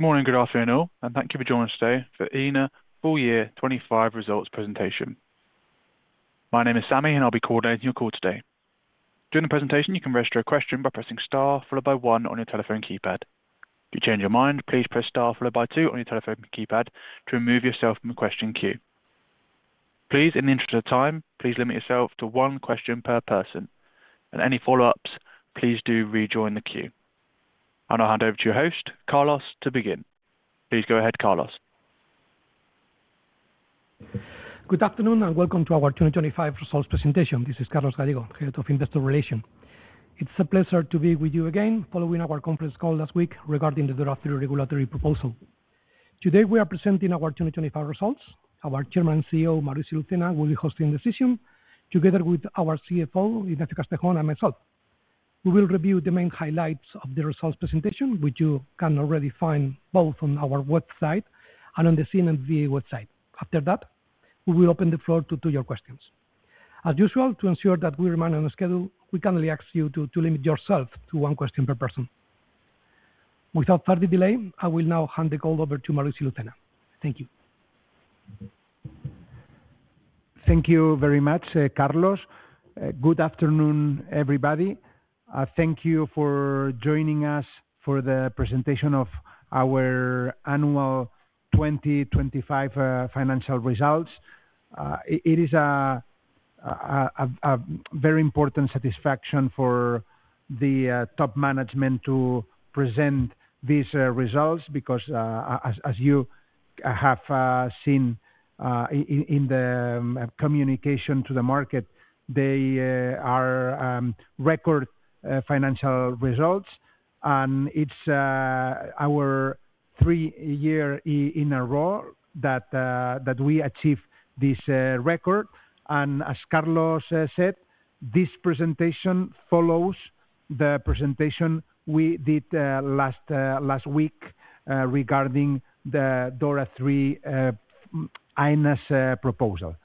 Good morning, good afternoon all. Thank you for joining us today for Aena full year 2025 results presentation. My name is Sammy. I'll be coordinating your call today. During the presentation, you can register a question by pressing star followed by one on your telephone keypad. If you change your mind, please press star followed by two on your telephone keypad to remove yourself from the question queue. Please, in the interest of time, please limit yourself to one question per person. Any follow-ups, please do rejoin the queue. I'll now hand over to your host, Carlos, to begin. Please go ahead, Carlos. Good afternoon, and welcome to our 2025 results presentation. This is Carlos Gallego, Head of Investor Relations. It's a pleasure to be with you again, following our conference call last week regarding the draft regulatory proposal. Today, we are presenting our 2025 results. Our Chairman and CEO, Maurici Lucena, will be hosting this session together with our CFO, José Leo, and myself. We will review the main highlights of the results presentation, which you can already find both on our website and on the CNMV website. After that, we will open the floor to do your questions. As usual, to ensure that we remain on the schedule, we kindly ask you to limit yourself to one question per person. Without further delay, I will now hand the call over to Maurici Lucena. Thank you. Thank you very much, Carlos. Good afternoon, everybody. Thank you for joining us for the presentation of our annual 2025 financial results. It is a very important satisfaction for the top management to present these results, because as you have seen in the communication to the market, they are record financial results. It's our three year in a row that we achieve this record. As Carlos said, this presentation follows the presentation we did last week regarding the DORA III, Aena's proposal.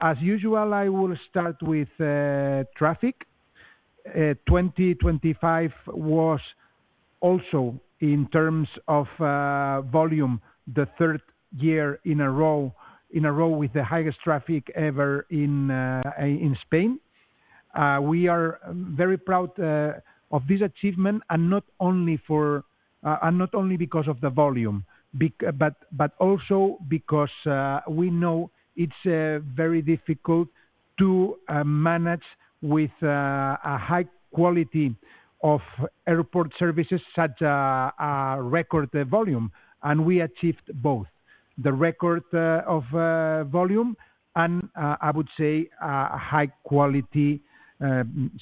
As usual, I will start with traffic. 2025 was also, in terms of, volume, the third year in a row with the highest traffic ever in Spain. We are very proud of this achievement, and not only for, and not only because of the volume, but also because, we know it's very difficult to manage with a high quality of airport services, such record volume. We achieved both the record of volume and, I would say, a high quality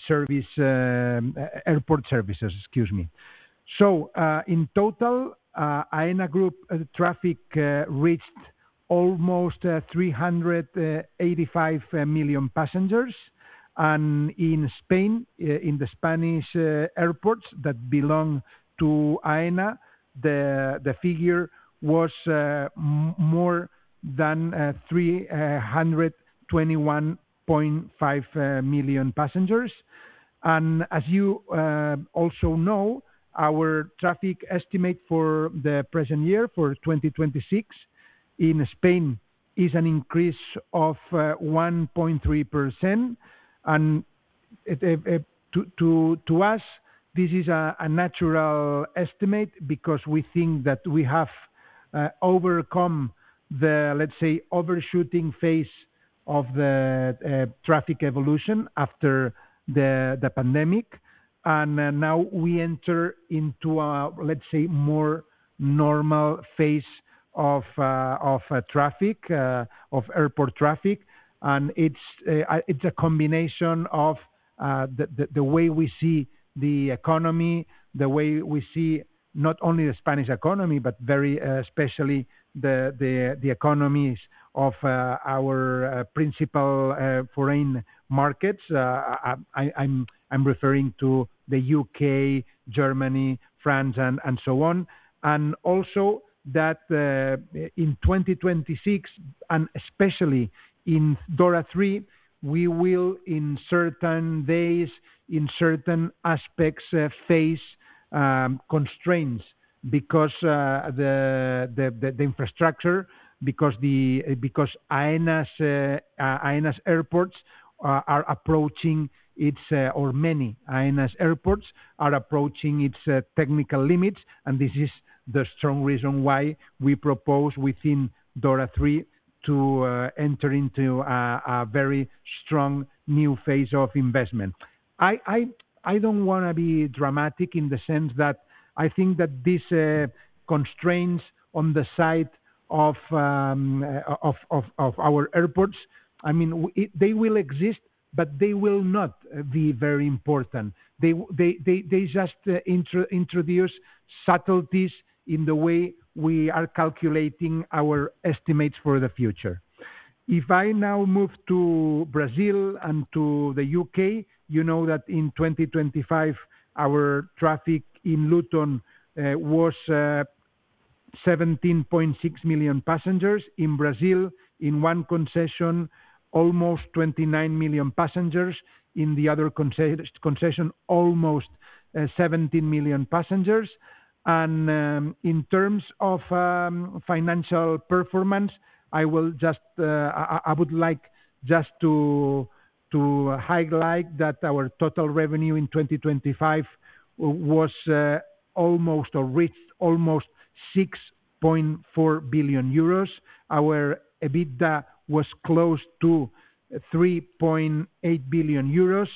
service, airport services, excuse me. In total, Aena group traffic reached almost 385 million passengers. In Spain, in the Spanish airports that belong to Aena, the figure was more than 321.5 million passengers. As you also know, our traffic estimate for the present year, for 2026, in Spain, is an increase of 1.3%. To us, this is a natural estimate because we think that we have overcome the, let's say, overshooting phase of the traffic evolution after the pandemic. Now we enter into a, let's say, more normal phase of a traffic, of airport traffic. It's a combination of the way we see the economy, the way we see not only the Spanish economy, but very especially the economies of our principal foreign markets. I'm referring to the U.K., Germany, France, and so on. Also that in 2026, and especially in DORA III, we will, in certain days, in certain aspects, face constraints because the infrastructure, because Aena's airports are approaching its, or many Aena's airports are approaching its technical limits, and this is the strong reason why we propose within DORA III to enter into a very strong new phase of investment. I don't want to be dramatic in the sense that I think that these constraints on the side of our airports, I mean, they will exist, but they will not be very important. They just introduce subtleties in the way we are calculating our estimates for the future. If I now move to Brazil and to the U.K., you know that in 2025, our traffic in Luton was 17.6 million passengers in Brazil, in one concession, almost 29 million passengers, in the other concession, almost 17 million passengers. In terms of financial performance, I would like just to highlight that our total revenue in 2025 was almost, or reached almost 6.4 billion euros. Our EBITDA was close to 3.8 billion euros.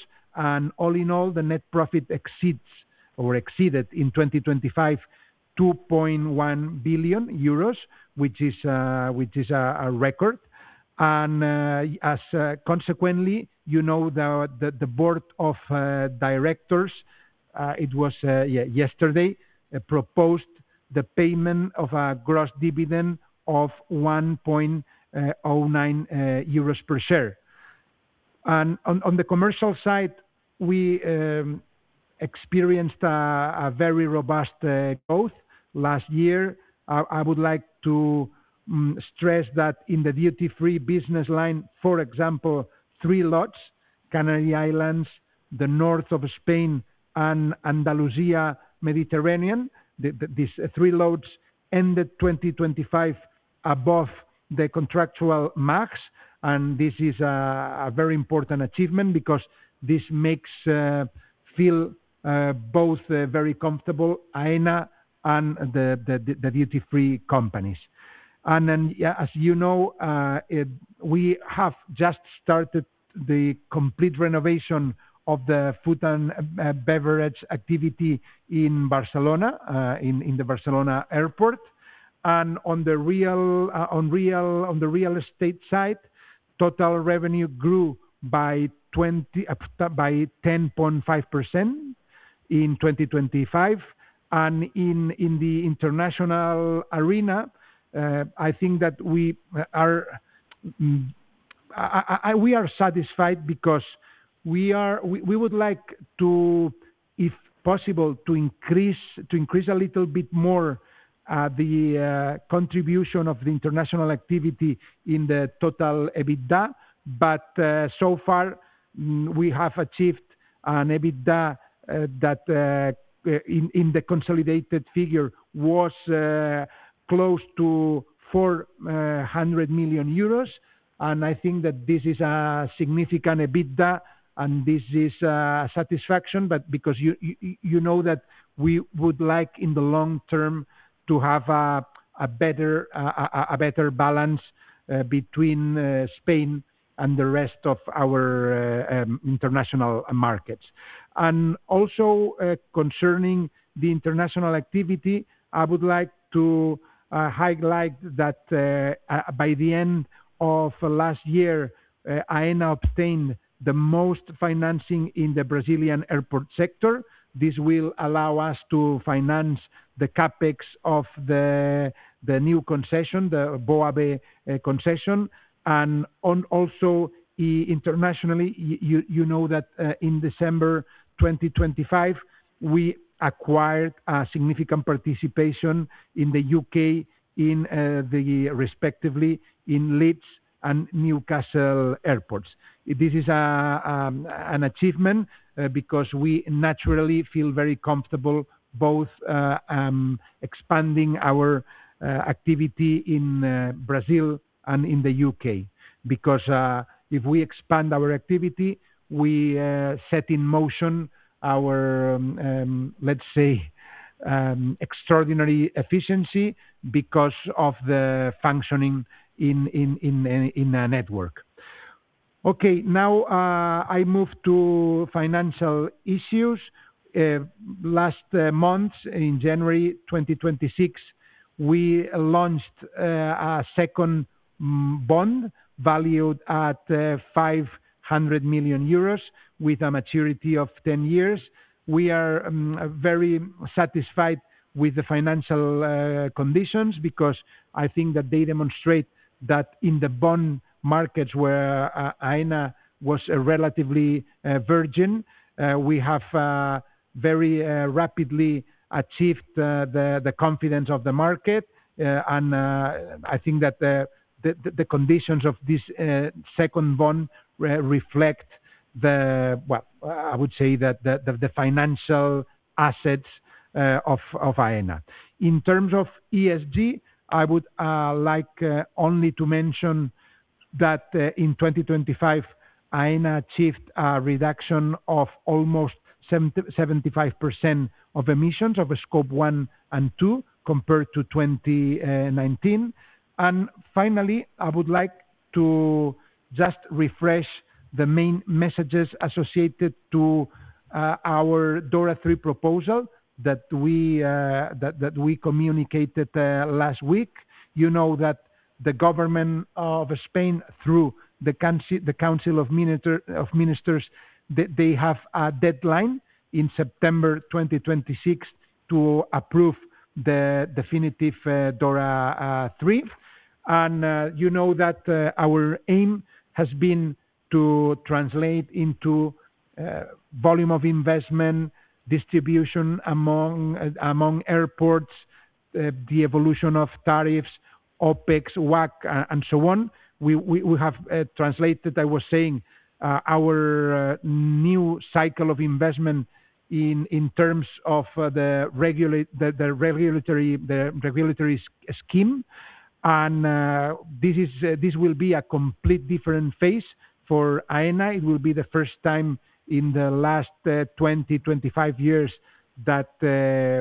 All in all, the net profit exceeds or exceeded in 2025, 2.1 billion euros, which is a record. Consequently, you know, the board of directors, it was yesterday, proposed the payment of a gross dividend of 1.09 euros per share. On the commercial side, we experienced a very robust growth last year. I would like to stress that in the duty-free business line, for example, 3 lots, Canary Islands, the north of Spain, and Andalusia, Mediterranean, these 3 lots ended 2025 above the contractual marks, and this is a very important achievement because this makes feel both very comfortable, Aena and the duty-free companies. As you know, we have just started the complete renovation of the food and beverage activity in Barcelona, in the Barcelona airport. On the real estate side, total revenue grew by 10.5% in 2025. In the international arena, I think that we are satisfied because we would like to, if possible, to increase a little bit more the contribution of the international activity in the total EBITDA. So far, we have achieved an EBITDA that in the consolidated figure, was close to 400 million euros, and I think that this is a significant EBITDA, and this is satisfaction. Because you know that we would like, in the long term, to have a better balance between Spain and the rest of our international markets. Also, concerning the international activity, I would like to highlight that by the end of last year, Aena obtained the most financing in the Brazilian airport sector. This will allow us to finance the CapEx of the new concession, the Boa Viagem concession. Also, internationally, you know that in December 2025, we acquired a significant participation in the U.K. in respectively in Leeds and Newcastle airports. This is an achievement because we naturally feel very comfortable both expanding our activity in Brazil and in the U.K.. If we expand our activity, we set in motion our, let's say, extraordinary efficiency because of the functioning in a network. Now, I move to financial issues. Last month, in January 2026, we launched our second bond, valued at 500 million euros, with a maturity of 10 years. We are very satisfied with the financial conditions, because I think that they demonstrate that in the bond markets where Aena was a relatively virgin, we have very rapidly achieved the confidence of the market. I think that the conditions of this second bond reflect the... Well, I would say that the financial assets of Aena. In terms of ESG, I would like only to mention that in 2025, Aena achieved a reduction of almost 70%-75% of emissions of Scope 1 and 2, compared to 2019. Finally, I would like to just refresh the main messages associated to our DORA III proposal that we communicated last week. You know that the government of Spain, through the Council of Ministers, they have a deadline in September 2026 to approve the definitive DORA III. You know that our aim has been to translate into volume of investment, distribution among airports, the evolution of tariffs, OpEx, WACC, and so on. We have translated, I was saying, our new cycle of investment in terms of the regulatory scheme. This is, this will be a complete different phase for Aena. It will be the first time in the last, 20, 25 years that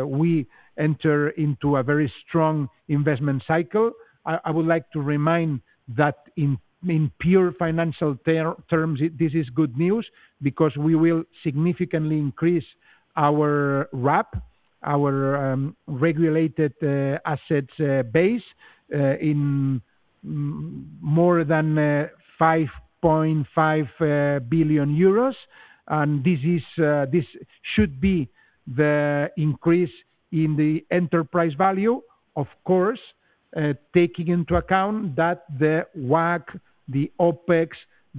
we enter into a very strong investment cycle. I would like to remind that in pure financial terms, this is good news because we will significantly increase our RAP, our regulated assets base in more than 5.5 billion euros. This is, this should be the increase in the enterprise value, of course, taking into account that the WACC, the OpEx,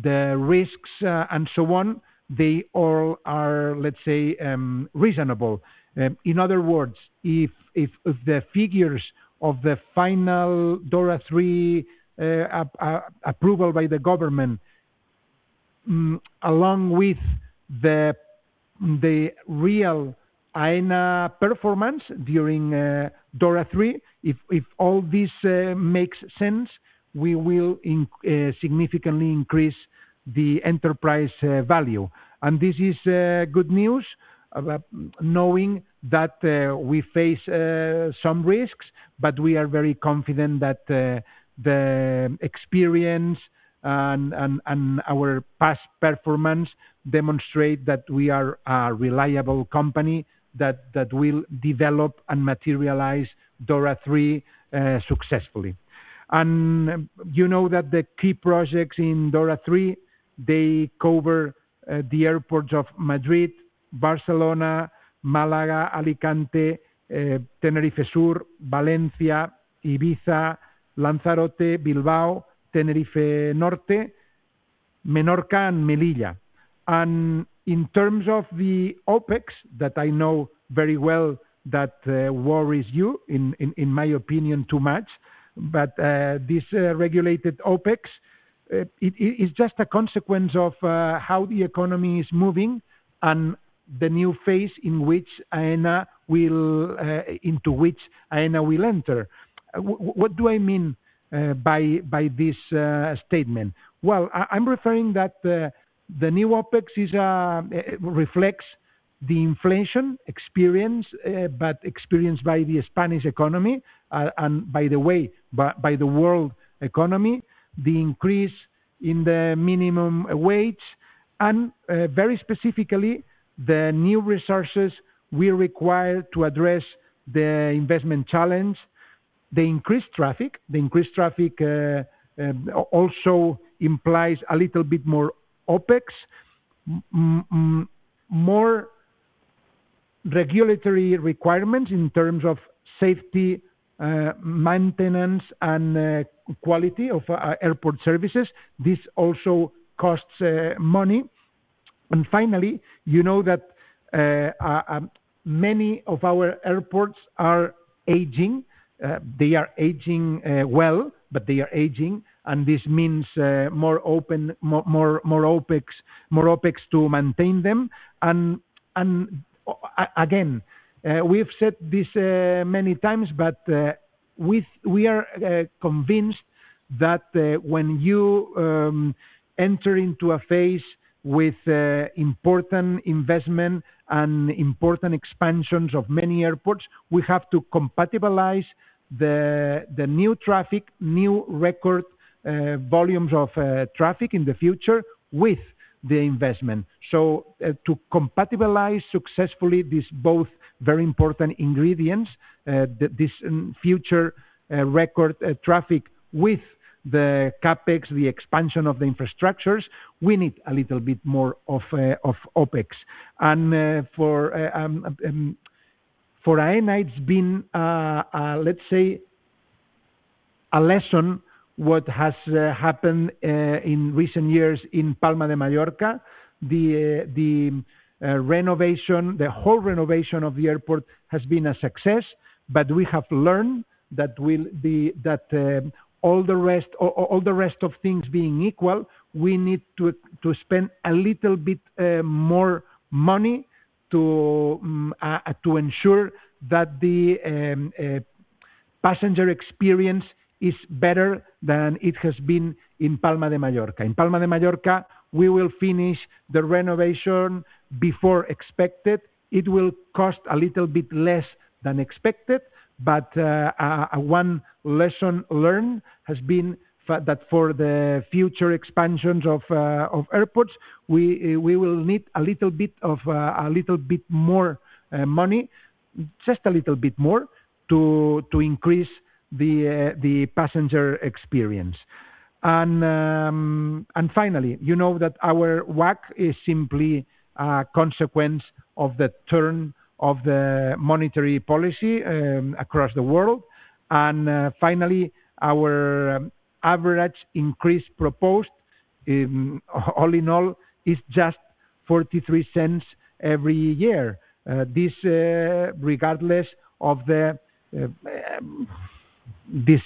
the risks and so on, they all are, let's say, reasonable. In other words, if the figures of the final DORA III approval by the government, along with the real Aena performance during DORA III, if all this makes sense, we will significantly increase the enterprise value. This is good news, knowing that we face some risks, but we are very confident that the experience and our past performance demonstrate that we are a reliable company that will develop and materialize DORA III successfully. You know that the key projects in DORA III, they cover the airports of Madrid, Barcelona, Málaga, Alicante, Tenerife Sur, Valencia, Ibiza, Lanzarote, Bilbao, Tenerife Norte, Menorca, and Melilla. In terms of the OpEx, that I know very well that worries you, in my opinion, too much. This regulated OpEx, it is just a consequence of how the economy is moving and the new phase into which Aena will enter. What do I mean by this statement? Well, I'm referring that the new OpEx is reflects the inflation experience, but experienced by the Spanish economy and by the way, by the world economy, the increase in the minimum wage, and very specifically, the new resources we require to address the investment challenge, the increased traffic. The increased traffic also implies a little bit more OpEx, more regulatory requirements in terms of safety, maintenance, and quality of airport services. This also costs money. Finally, you know that many of our airports are aging. They are aging well, but they are aging, and this means more OpEx to maintain them. Again, we've said this many times, but we are convinced that when you enter into a phase with important investment and important expansions of many airports, we have to compatibilize the new traffic, new record volumes of traffic in the future with the investment. To compatibilize successfully, these both very important ingredients, this future record traffic with the CapEx, the expansion of the infrastructures, we need a little bit more of OpEx. For Aena, it's been let's say, a lesson, what has happened in recent years in Palma de Mallorca. The renovation, the whole renovation of the airport has been a success. We have learned that all the rest of things being equal, we need to spend a little bit more money to ensure that the passenger experience is better than it has been in Palma de Mallorca. In Palma de Mallorca, we will finish the renovation before expected. It will cost a little bit less than expected. One lesson learned has been that for the future expansions of airports, we will need a little bit of a little bit more money, just a little bit more, to increase the passenger experience. Finally, you know that our WACC is simply a consequence of the turn of the monetary policy across the world. Finally, our average increase all in all, it's just 0.43 every year. This, regardless of the this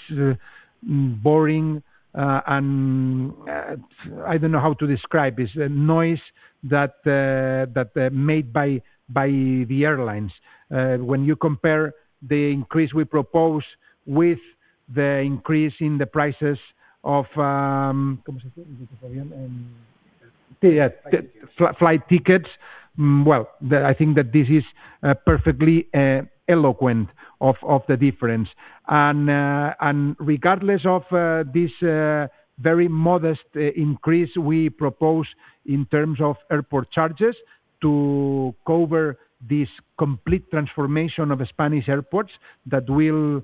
boring and I don't know how to describe this, noise that made by the airlines. When you compare the increase we propose with the increase in the prices of Yeah, flight tickets. Well, I think that this is perfectly eloquent of the difference. Regardless of this very modest increase we propose in terms of airport charges to cover this complete transformation of Spanish airports that will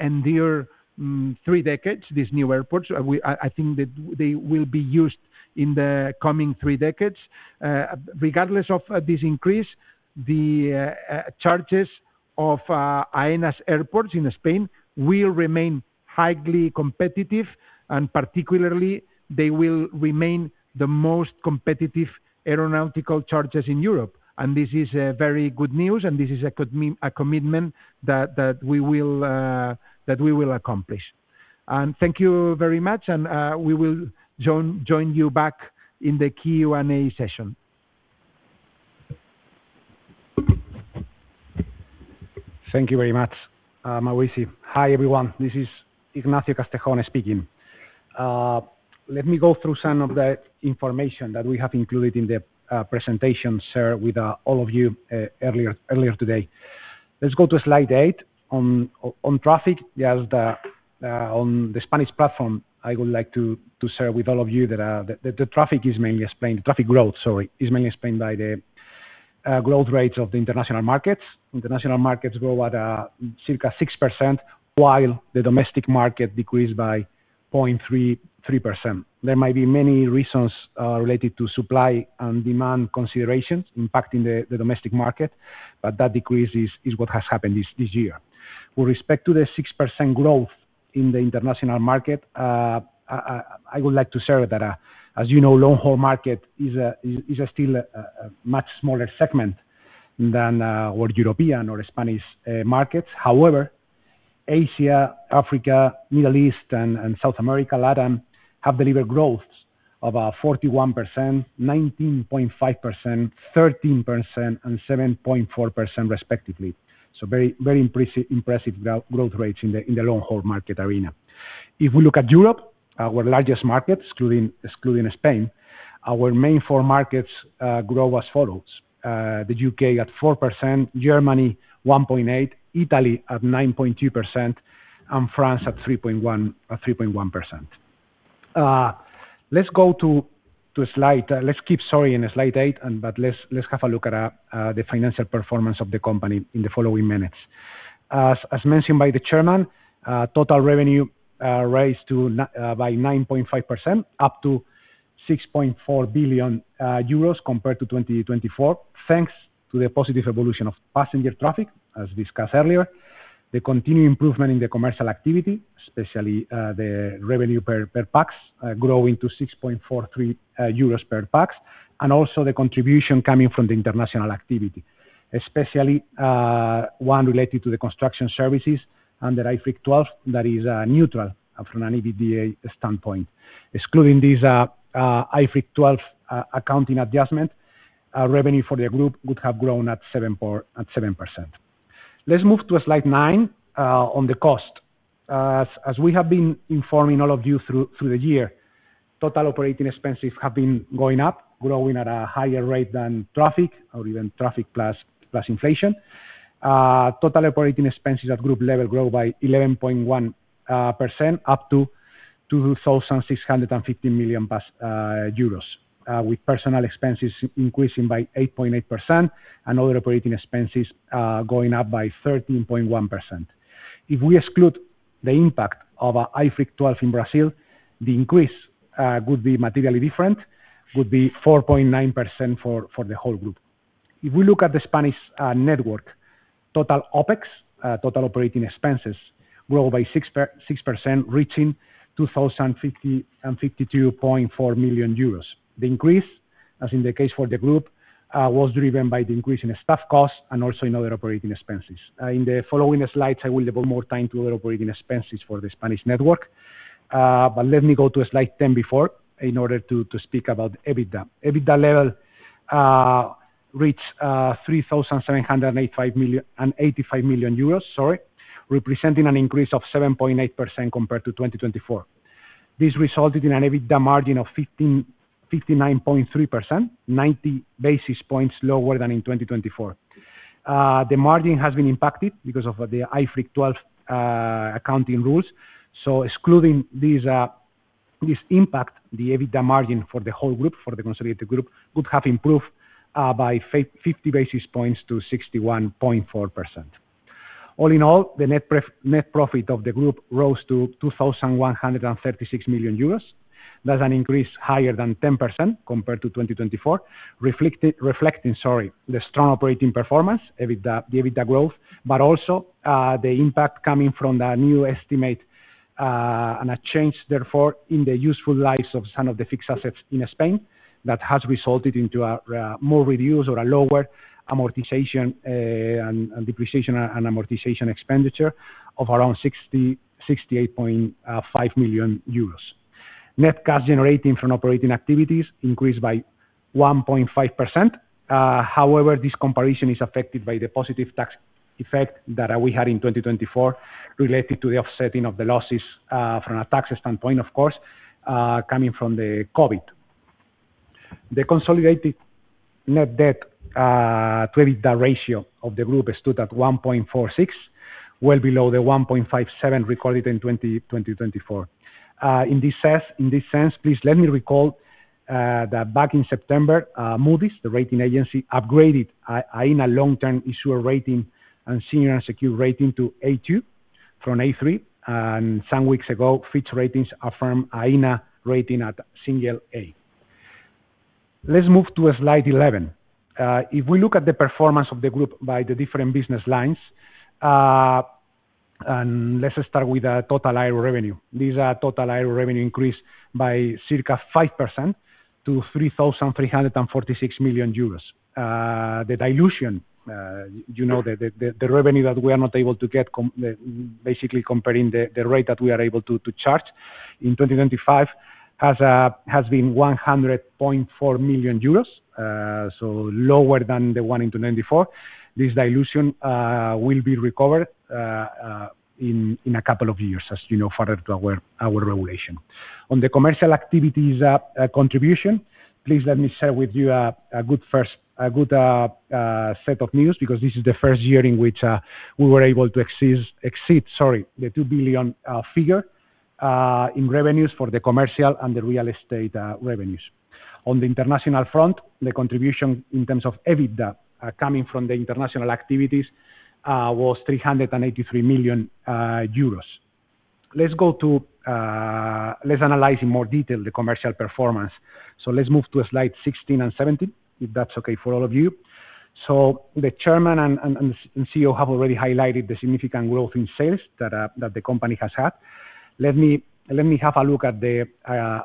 endure 3 decades, these new airports. I think that they will be used in the coming three decades. Regardless of this increase, the charges of Aena's airports in Spain will remain highly competitive, and particularly, they will remain the most competitive aeronautical charges in Europe. This is very good news, and this is a commitment that we will accomplish. Thank you very much, and we will join you back in the Q&A session. Thank you very much, Mauricio. Hi, everyone, this is Ignacio Castejón speaking. Let me go through some of the information that we have included in the presentation shared with all of you earlier today. Let's go to slide 8 on traffic. On the Spanish platform, I would like to share with all of you that the traffic growth, sorry, is mainly explained by the growth rates of the international markets. International markets grow at circa 6%, while the domestic market decreased by 0.33%. There might be many reasons related to supply and demand considerations impacting the domestic market, but that decrease is what has happened this year. With respect to the 6% growth in the international market, I would like to share that, as you know, long-haul market is still a much smaller segment than our European or Spanish markets. However, Asia, Africa, Middle East, and South America, LATAM, have delivered growths of 41%, 19.5%, 13%, and 7.4% respectively. Very impressive growth rates in the long-haul market arena. If we look at Europe, our largest market, excluding Spain, our main four markets grow as follows: the U.K. at 4%, Germany 1.8%, Italy at 9.2%, and France at 3.1%. Let's keep, sorry, in slide eight, let's have a look at the financial performance of the company in the following minutes. As mentioned by the Chairman, total revenue raised by 9.5%, up to 6.4 billion euros compared to 2024, thanks to the positive evolution of passenger traffic, as discussed earlier. The continued improvement in the commercial activity, especially the revenue per pax, growing to 6.43 euros per pax, and also the contribution coming from the international activity. Especially, one related to the construction services under IFRIC 12, that is neutral from an EBITDA standpoint. Excluding this IFRIC 12 accounting adjustment, revenue for the group would have grown at 7%. Let's move to slide 9 on the cost. As we have been informing all of you through the year, total operating expenses have been going up, growing at a higher rate than traffic or even traffic plus inflation. Total operating expenses at group level grow by 11.1%, up to 2,650 million euros, with personal expenses increasing by 8.8% and other operating expenses going up by 13.1%. If we exclude the impact of IFRIC 12 in Brazil, the increase would be materially different, would be 4.9% for the whole group. If we look at the Spanish network, total OpEx, total operating expenses, grow by 6%, reaching 2,052.4 million euros. The increase, as in the case for the group, was driven by the increase in staff costs and also in other operating expenses. In the following slides, I will devote more time to other operating expenses for the Spanish network. Let me go to slide 10 before, in order to speak about EBITDA. EBITDA level reached 3,785 million euros, representing an increase of 7.8% compared to 2024. This resulted in an EBITDA margin of 59.3%, 90 basis points lower than in 2024. The margin has been impacted because of the IFRIC 12 accounting rules. Excluding these, this impact, the EBITDA margin for the whole group, for the consolidated group, would have improved by 50 basis points to 61.4%. All in all, the net profit of the group rose to 2,136 million euros. That's an increase higher than 10% compared to 2024, reflecting, sorry, the strong operating performance, EBITDA, the EBITDA growth, but also the impact coming from the new estimate and a change, therefore, in the useful lives of some of the fixed assets in Spain, that has resulted into a more reviews or a lower amortization and depreciation and amortization expenditure of around 68.5 million euros. Net cash generating from operating activities increased by 1.5%. However, this comparison is affected by the positive tax effect that we had in 2024, related to the offsetting of the losses, from a tax standpoint, of course, coming from the COVID. The consolidated net debt credit ratio of the group stood at 1.46, well below the 1.57 recorded in 2024. In this sense, please let me recall that back in September, Moody's, the rating agency, upgraded Aena long-term issuer rating and senior unsecured rating to A2 from A3. Some weeks ago, Fitch Ratings affirmed Aena rating at single A. Let's move to slide 11. If we look at the performance of the group by the different business lines, let's start with the total air revenue. These are total air revenue increased by circa 5% to 3,346 million euros. The dilution, you know, the revenue that we are not able to get basically comparing the rate that we are able to charge in 2025, has been 100.4 million euros, so lower than the one in 2024. This dilution will be recovered in a couple of years, as you know, further to our regulation. On the commercial activities contribution, please let me share with you a good first, a good set of news, because this is the first year in which we were able to exceed, sorry, the 2 billion figure in revenues for the commercial and the real estate revenues. On the international front, the contribution in terms of EBITDA coming from the international activities was 383 million euros. Let's go to. Let's analyze in more detail the commercial performance. Let's move to slide 16 and 17, if that's okay for all of you. The chairman and CEO have already highlighted the significant growth in sales that the company has had. Let me, let me have a look at the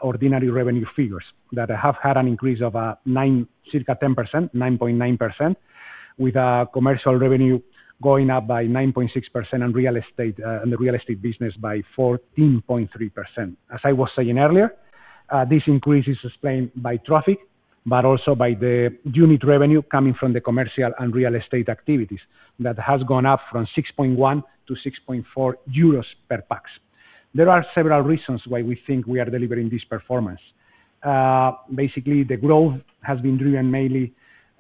ordinary revenue figures, that have had an increase of 9, circa 10%, 9.9%, with commercial revenue going up by 9.6%, and real estate and the real estate business by 14.3%. As I was saying earlier, this increase is explained by traffic, but also by the unit revenue coming from the commercial and real estate activities, that has gone up from 6.1 to 6.4 euros per pax. There are several reasons why we think we are delivering this performance. Basically, the growth has been driven mainly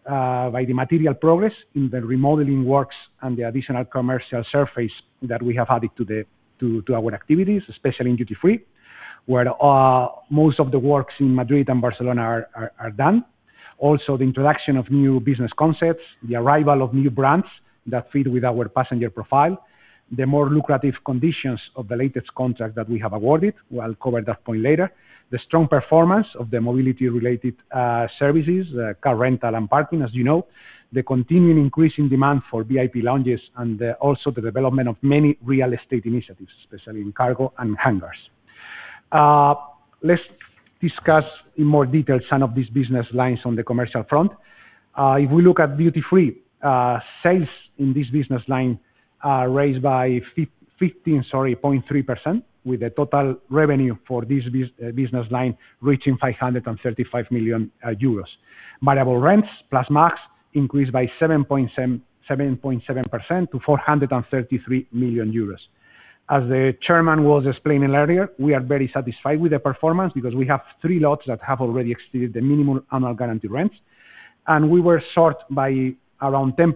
by the material progress in the remodeling works and the additional commercial surface that we have added to our activities, especially in duty free, where most of the works in Madrid and Barcelona are done. The introduction of new business concepts, the arrival of new brands that fit with our passenger profile, the more lucrative conditions of the latest contract that we have awarded, we'll cover that point later. The strong performance of the mobility-related services, the car rental and parking, as you know. The continuing increasing demand for VIP lounges, and also the development of many real estate initiatives, especially in cargo and hangars. Let's discuss in more detail some of these business lines on the commercial front. If we look at duty free, sales in this business line are raised by 15.3%, with the total revenue for this business line reaching 535 million euros. Variable rents plus max increased by 7.7% to 433 million euros. As the chairman was explaining earlier, we are very satisfied with the performance because we have three lots that have already exceeded the minimum annual guaranteed rents, and we were short by around 10%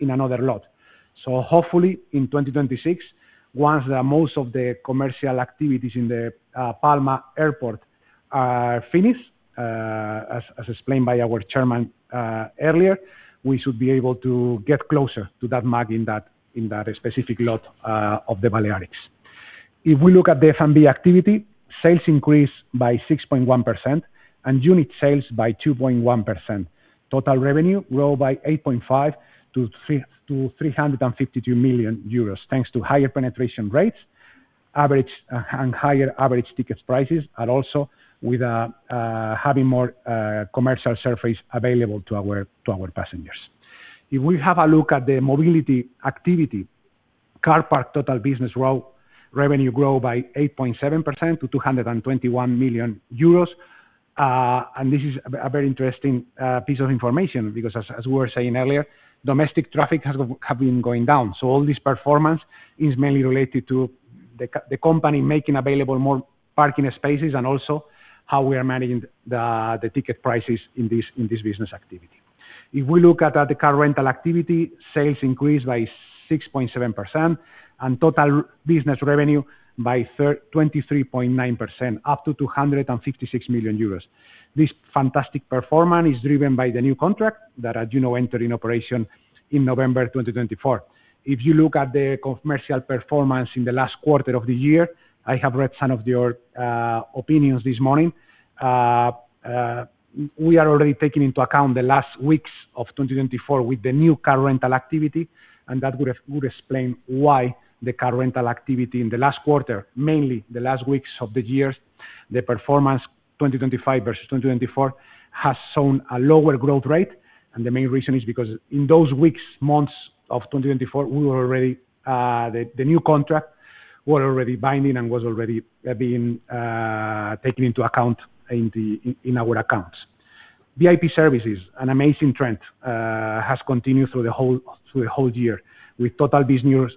in another lot. Hopefully, in 2026, once most of the commercial activities in the Palma Airport are finished, as explained by our chairman earlier, we should be able to get closer to that mark in that specific lot of the Balearics. We look at the F&B activity, sales increased by 6.1% and unit sales by 2.1%. Total revenue grew by 8.5% to 352 million euros, thanks to higher penetration rates, average and higher average ticket prices, and also with having more commercial surface available to our passengers. We have a look at the mobility activity, car park total business route revenue grow by 8.7% to 221 million euros. This is a very interesting piece of information, because as we were saying earlier, domestic traffic have been going down. All this performance is mainly related to the company making available more parking spaces, and also how we are managing the ticket prices in this, in this business activity. We look at the car rental activity, sales increased by 6.7%, and total business revenue by 23.9%, up to 256 million euros. This fantastic performance is driven by the new contract that, you know, entered in operation in November 2024. You look at the commercial performance in the last quarter of the year, I have read some of your opinions this morning. We are already taking into account the last weeks of 2024 with the new car rental activity, and that would explain why the car rental activity in the last quarter, mainly the last weeks of the year, the performance 2025 versus 2024, has shown a lower growth rate. The main reason is because in those weeks, months of 2024, we were already the new contract were already binding and was already being taken into account in our accounts. VIP services, an amazing trend, has continued through the whole year, with total business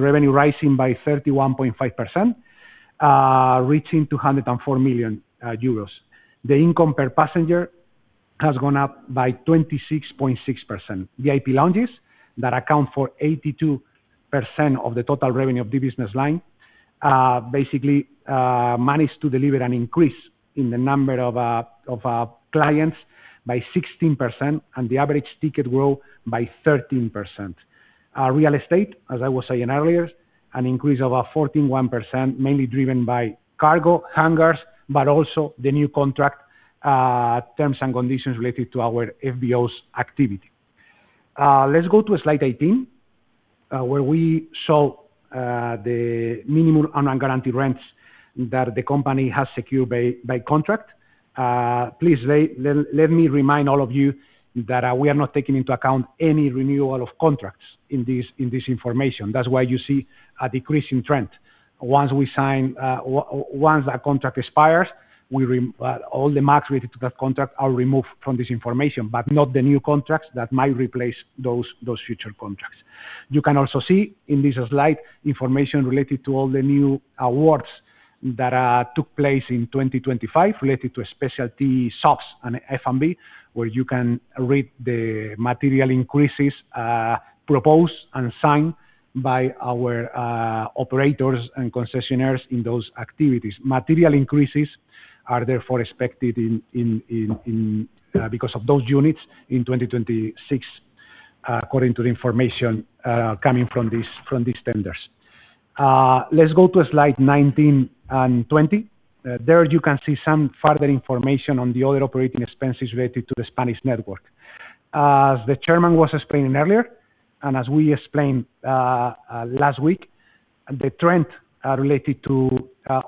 revenue rising by 31.5%, reaching 204 million euros. The income per passenger has gone up by 26.6%. VIP lounges, that account for 82% of the total revenue of the business line, basically managed to deliver an increase in the number of clients by 16%, and the average ticket grow by 13%. Real estate, as I was saying earlier, an increase of about 14.1%, mainly driven by cargo hangars, but also the new contract terms and conditions related to our FBO activity. Let's go to slide 18, where we show the minimum and unguaranteed rents that the company has secured by contract. Please, let me remind all of you that we are not taking into account any renewal of contracts in this information. That's why you see a decreasing trend. Once we sign, once that contract expires, all the marks related to that contract are removed from this information, but not the new contracts that might replace those future contracts. You can also see in this slide, information related to all the new awards that took place in 2025, related to specialty shops and F&B, where you can read the material increases proposed and signed by our operators and concessionaires in those activities. Material increases are therefore expected in because of those units in 2026, according to the information coming from these tenders. Let's go to slide 19 and 20. There you can see some further information on the other operating expenses related to the Spanish network. As the chairman was explaining earlier, as we explained last week, the trend related to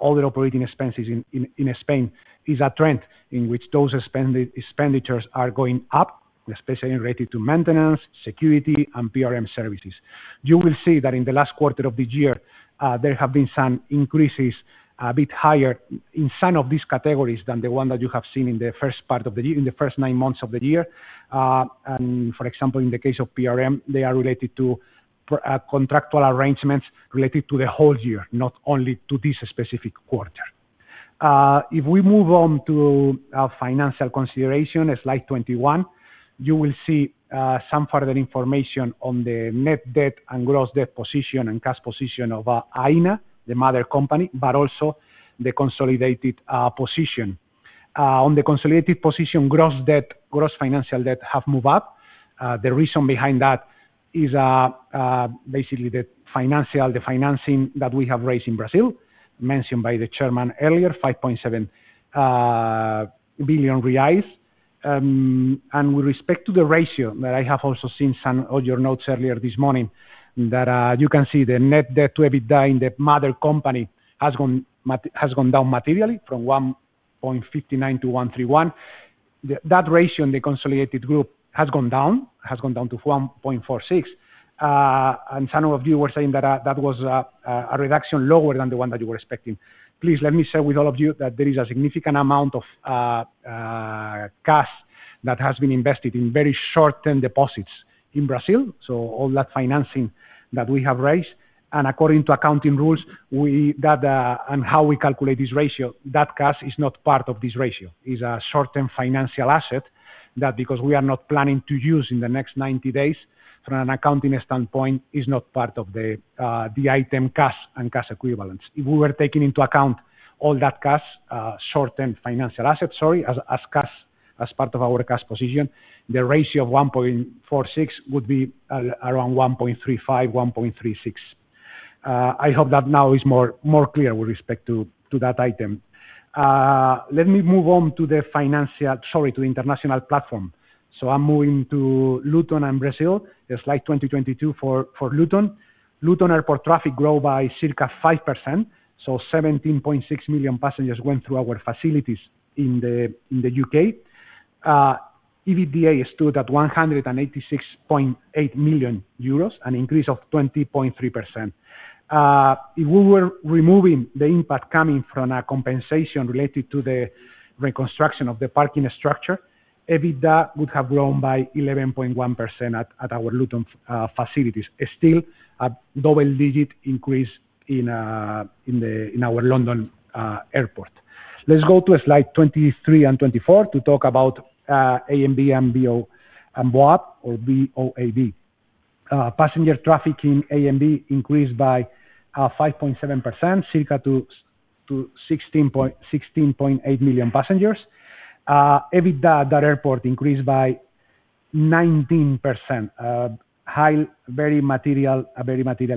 all the operating expenses in Spain is a trend in which those expenditures are going up, especially related to maintenance, security, and PRM services. You will see that in the last quarter of this year, there have been some increases, a bit higher in some of these categories than the one that you have seen in the first nine months of the year. For example, in the case of PRM, they are related to contractual arrangements related to the whole year, not only to this specific quarter. If we move on to our financial consideration, slide 21, you will see some further information on the net debt and gross debt position and cash position of Aena, the mother company, but also the consolidated position. On the consolidated position, gross debt, gross financial debt have moved up. The reason behind that is basically the financial, the financing that we have raised in Brazil, mentioned by the Chairman earlier, 5.7 billion reais. With respect to the ratio, that I have also seen some of your notes earlier this morning, that you can see the net debt to EBITDA in the mother company has gone down materially from 1.59 to 1.31. That ratio in the consolidated group has gone down to 1.46. Some of you were saying that that was a reduction lower than the one that you were expecting. Please let me share with all of you that there is a significant amount of cash that has been invested in very short-term deposits in Brazil, so all that financing that we have raised. According to accounting rules, that and how we calculate this ratio, that cash is not part of this ratio. It's a short-term financial asset, that because we are not planning to use in the next 90 days, from an accounting standpoint, is not part of the item cash and cash equivalents. If we were taking into account all that cash, short-term financial assets, sorry, as cash, as part of our cash position, the ratio of 1.46 would be around 1.35, 1.36. I hope that now is more clear with respect to that item. Let me move on to international platform. I'm moving to Luton and Brazil. The slide 2022 for Luton. Luton airport traffic grow by circa 5%, so 17.6 million passengers went through our facilities in the U.K. EBITDA stood at 186.8 million euros, an increase of 20.3%. If we were removing the impact coming from our compensation related to the reconstruction of the parking structure, EBITDA would have grown by 11.1% at our Luton facilities. A double-digit increase in our London airport. Let's go to slide 23 and 24 to talk about ANB, MBO, and BOAB. Passenger traffic in ANB increased by 5.7%, circa to 16.8 million passengers. EBITDA that airport increased by 19%, a very material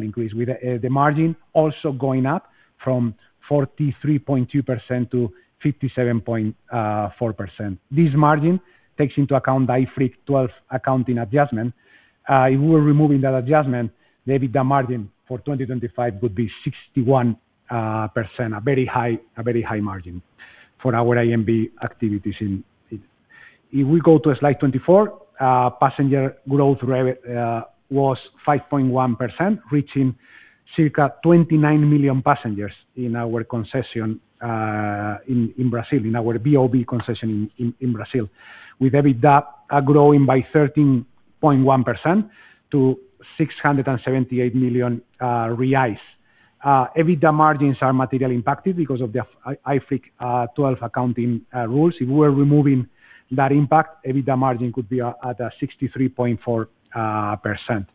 increase, with the margin also going up from 43.2% to 57.4%. This margin takes into account the IFRIC 12 accounting adjustment. If we were removing that adjustment, maybe the margin for 2025 would be 61%, a very high margin for our ANB activities in it. If we go to slide 24, passenger growth rate was 5.1%, reaching circa 29 million passengers in our concession in Brazil, in our BOAB concession in Brazil. With EBITDA growing by 13.1% to 678 million reais. EBITDA margins are materially impacted because of the IFRIC 12 accounting rules. If we were removing that impact, EBITDA margin could be at a 63.4%. Do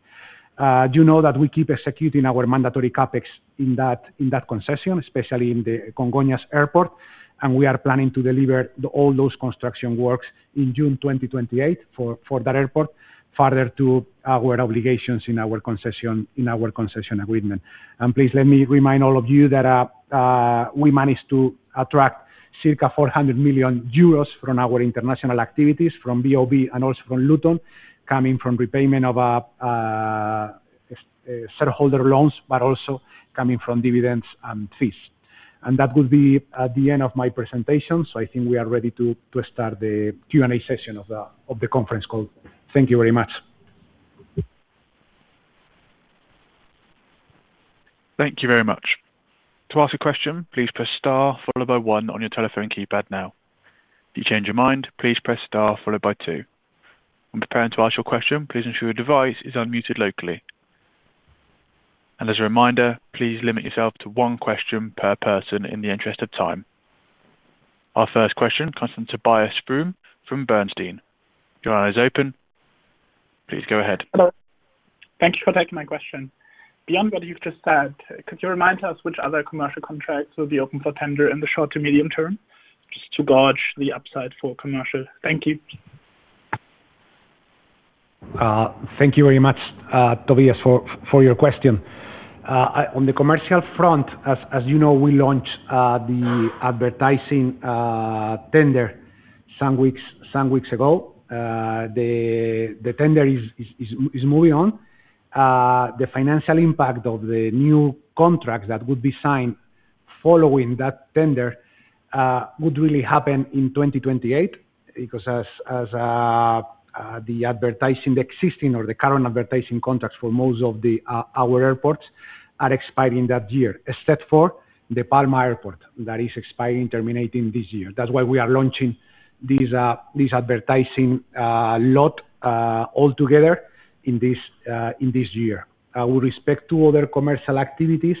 you know that we keep executing our mandatory CapEx in that concession, especially in the Congonhas Airport, and we are planning to deliver all those construction works in June 2028 for that airport, further to our obligations in our concession agreement. Please, let me remind all of you that we managed to attract circa 400 million euros from our international activities, from BOAB and also from Luton, coming from repayment of shareholder loans, but also coming from dividends and fees. That will be at the end of my presentation, I think we are ready to start the Q&A session of the conference call. Thank you very much. Thank you very much. To ask a question, please press star followed by one on your telephone keypad now. If you change your mind, please press star followed by two. When preparing to ask your question, please ensure your device is unmuted locally. As a reminder, please limit yourself to one question per person in the interest of time. Our first question comes from Tobias Fromme from Bernstein. Your line is open, please go ahead. Hello. Thank you for taking my question. Beyond what you've just said, could you remind us which other commercial contracts will be open for tender in the short to medium term, just to gauge the upside for commercial? Thank you. Thank you very much, Tobias, for your question. On the commercial front, as you know, we launched the advertising tender some weeks ago. The tender is moving on. The financial impact of the new contracts that would be signed following that tender would really happen in 2028, because as the advertising, the existing or the current advertising contracts for most of our airports are expiring that year, except for the Palma Airport, that is expiring, terminating this year. That's why we are launching these these advertising lot all together in this year. With respect to other commercial activities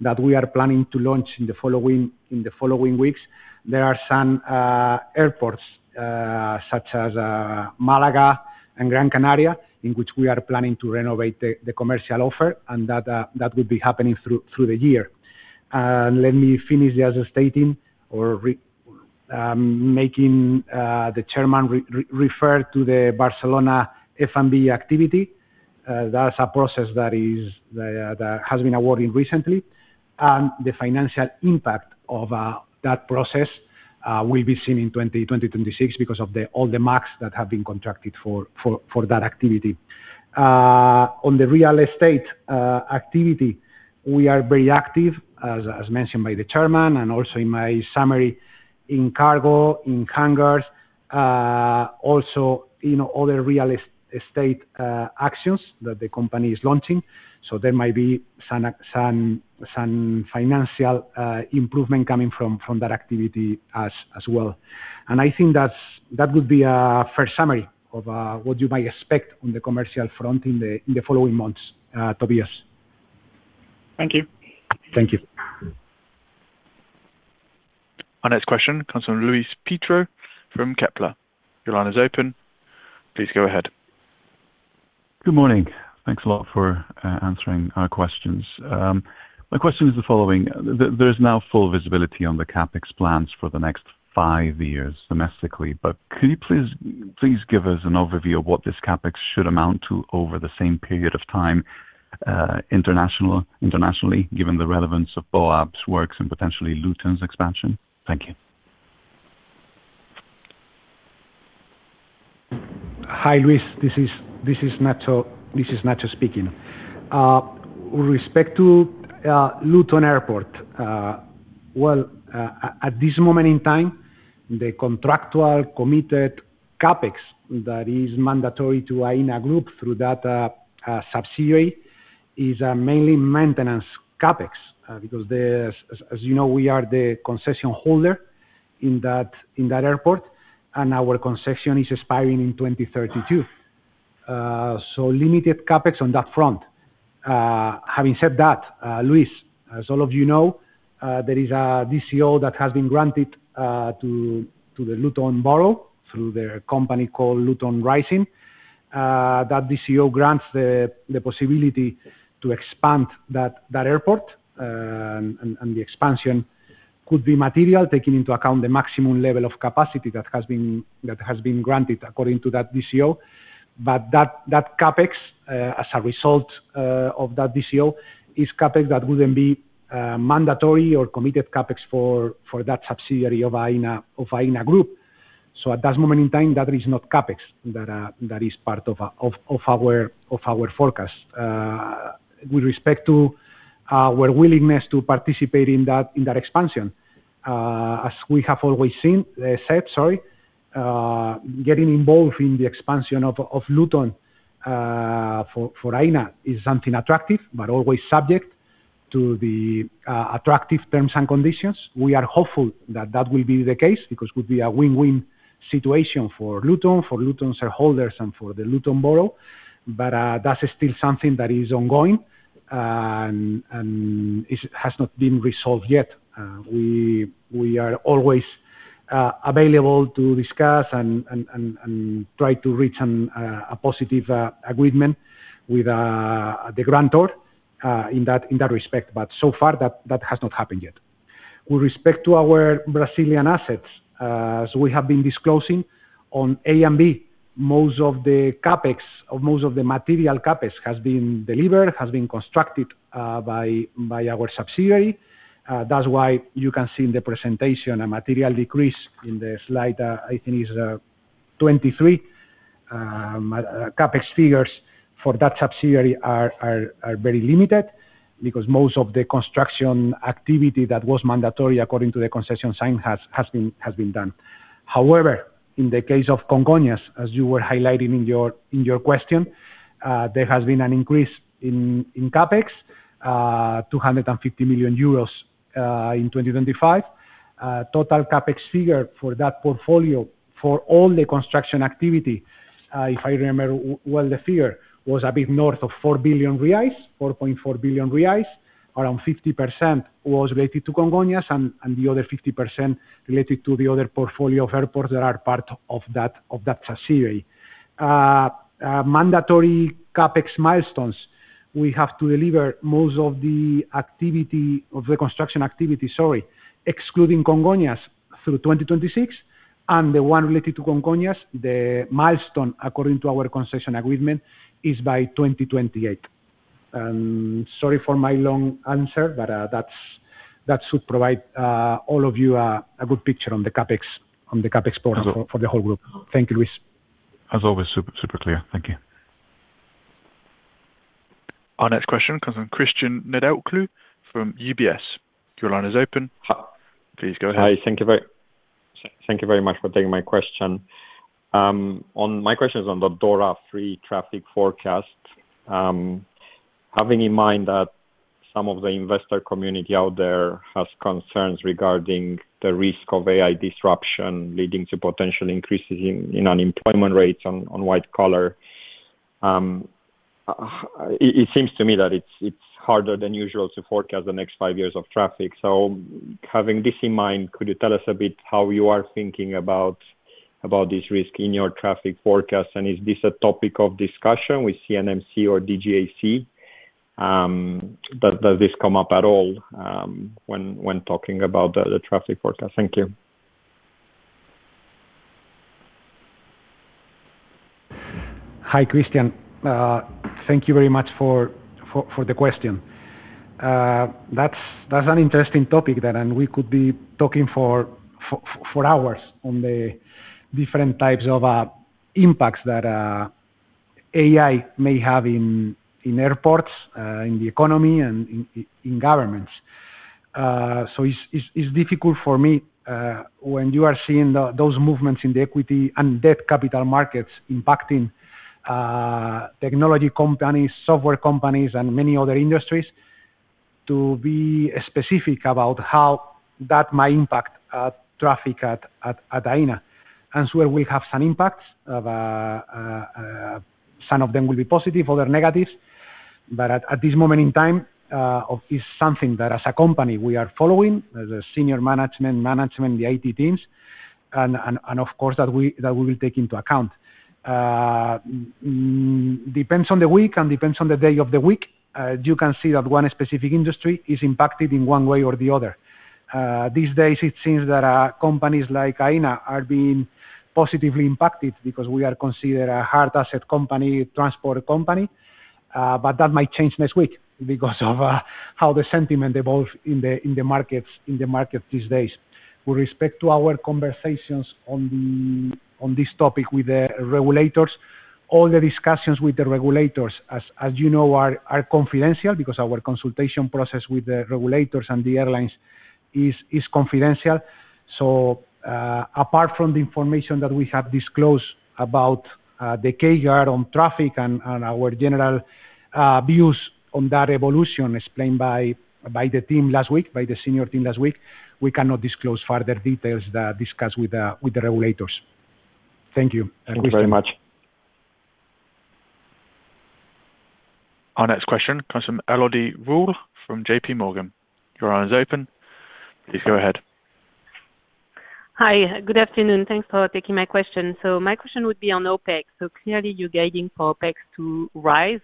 that we are planning to launch in the following weeks, there are some airports, such as Malaga and Gran Canaria, in which we are planning to renovate the commercial offer, that will be happening through the year. Let me finish just stating or making the chairman refer to the Barcelona F&B activity. That's a process that is that has been awarded recently, the financial impact of that process will be seen in 2026 because of all the marks that have been contracted for that activity. On the real estate activity, we are very active, as mentioned by the Chairman and also in my summary, in cargo, in hangars, also in other real estate actions that the company is launching. There might be some financial improvement coming from that activity as well. I think that's, that would be a fair summary of, what you might expect on the commercial front in the following months, Tobias. Thank you. Thank you. Our next question comes from Luis Prieto from Kepler. Your line is open. Please go ahead. Good morning. Thanks a lot for answering our questions. My question is the following: there is now full visibility on the CapEx plans for the next five years domestically, but could you please give us an overview of what this CapEx should amount to over the same period of time internationally, given the relevance of BOAB's works and potentially Luton's expansion? Thank you. Hi, Luis. This is Ignacio. This is Ignacio speaking. With respect to Luton Airport, well, at this moment in time, the contractual committed CapEx that is mandatory to Aena group through that subsidiary, is mainly maintenance CapEx. As you know, we are the concession holder in that airport, and our concession is expiring in 2032. Limited CapEx on that front. Having said that, Luis, as all of you know, there is a DCO that has been granted to the Luton Borough, through their company called Luton Rising. That DCO grants the possibility to expand that airport, and the expansion could be material, taking into account the maximum level of capacity that has been granted according to that DCO. That CapEx, as a result of that DCO, is CapEx that wouldn't be mandatory or committed CapEx for that subsidiary of Aena group. At that moment in time, that is not CapEx that is part of our forecast. With respect to our willingness to participate in that expansion, as we have always seen, said, sorry, getting involved in the expansion of Luton for Aena is something attractive, but always subject to the attractive terms and conditions. We are hopeful that that will be the case, because it would be a win-win situation for Luton, for Luton shareholders and for the Luton Borough. That is still something that is ongoing and it has not been resolved yet. We are always available to discuss and try to reach a positive agreement with the grantor in that respect, but so far, that has not happened yet. With respect to our Brazilian assets, we have been disclosing on ANB, most of the CapEx or most of the material CapEx has been delivered, has been constructed by our subsidiary. That's why you can see in the presentation a material decrease in the slide, I think is 23. CapEx figures for that subsidiary are very limited because most of the construction activity that was mandatory according to the concession sign has been done. In the case of Congonhas, as you were highlighting in your question, there has been an increase in CapEx, 250 million euros in 2025. Total CapEx figure for that portfolio for all the construction activity, if I remember well the figure, was a bit north of 4 billion reais, 4.4 billion reais. Around 50% was related to Congonhas and the other 50% related to the other portfolio of airports that are part of that subsidiary. Mandatory CapEx milestones, we have to deliver most of the construction activity, sorry, excluding Congonhas, through 2026, and the one related to Congonhas, the milestone, according to our concession agreement, is by 2028. Sorry for my long answer, but that's, that should provide all of you a good picture on the CapEx part for the whole group. Thank you, Luis. As always, super clear. Thank you. Our next question comes from Cristian Nedelcu from UBS. Your line is open. Please go ahead. Hi. Thank you very much for taking my question. My question is on the DORA III Traffic Forecast. Having in mind that some of the investor community out there has concerns regarding the risk of AI disruption, leading to potential increases in unemployment rates on white collar, it seems to me that it's harder than usual to forecast the next five years of traffic. Having this in mind, could you tell us a bit how you are thinking about this risk in your traffic forecast? Is this a topic of discussion with CNMC or DGAC? Does this come up at all when talking about the traffic forecast? Thank you. Hi, Cristian. Thank you very much for the question. That's an interesting topic there, we could be talking for four hours on the different types of impacts that AI may have in airports, in the economy and in governments. It's, it's difficult for me when you are seeing those movements in the equity and debt capital markets impacting technology companies, software companies, and many other industries, to be specific about how that might impact traffic at Aena. I'm sure we have some impacts of, some of them will be positive, other negatives, but at this moment in time, is something that as a company, we are following, as a senior management, the IT teams, and of course, that we will take into account. Depends on the week and depends on the day of the week, you can see that one specific industry is impacted in one way or the other. These days, it seems that companies like Aena are being positively impacted because we are considered a hard asset company, transport company. That might change next week because of how the sentiment evolves in the markets, in the market these days. With respect to our conversations on this topic with the regulators, all the discussions with the regulators, as you know, are confidential, because our consultation process with the regulators and the airlines is confidential. Apart from the information that we have disclosed about the CAGR on traffic and our general views on that evolution explained by the team last week, by the senior team last week, we cannot disclose further details that discuss with the regulators. Thank you. Thank you very much. Our next question comes from Elodie Rall from JP Morgan. Your line is open. Please go ahead. Hi, good afternoon. Thanks for taking my question. My question would be on OpEx. Clearly, you're guiding for OpEx to rise,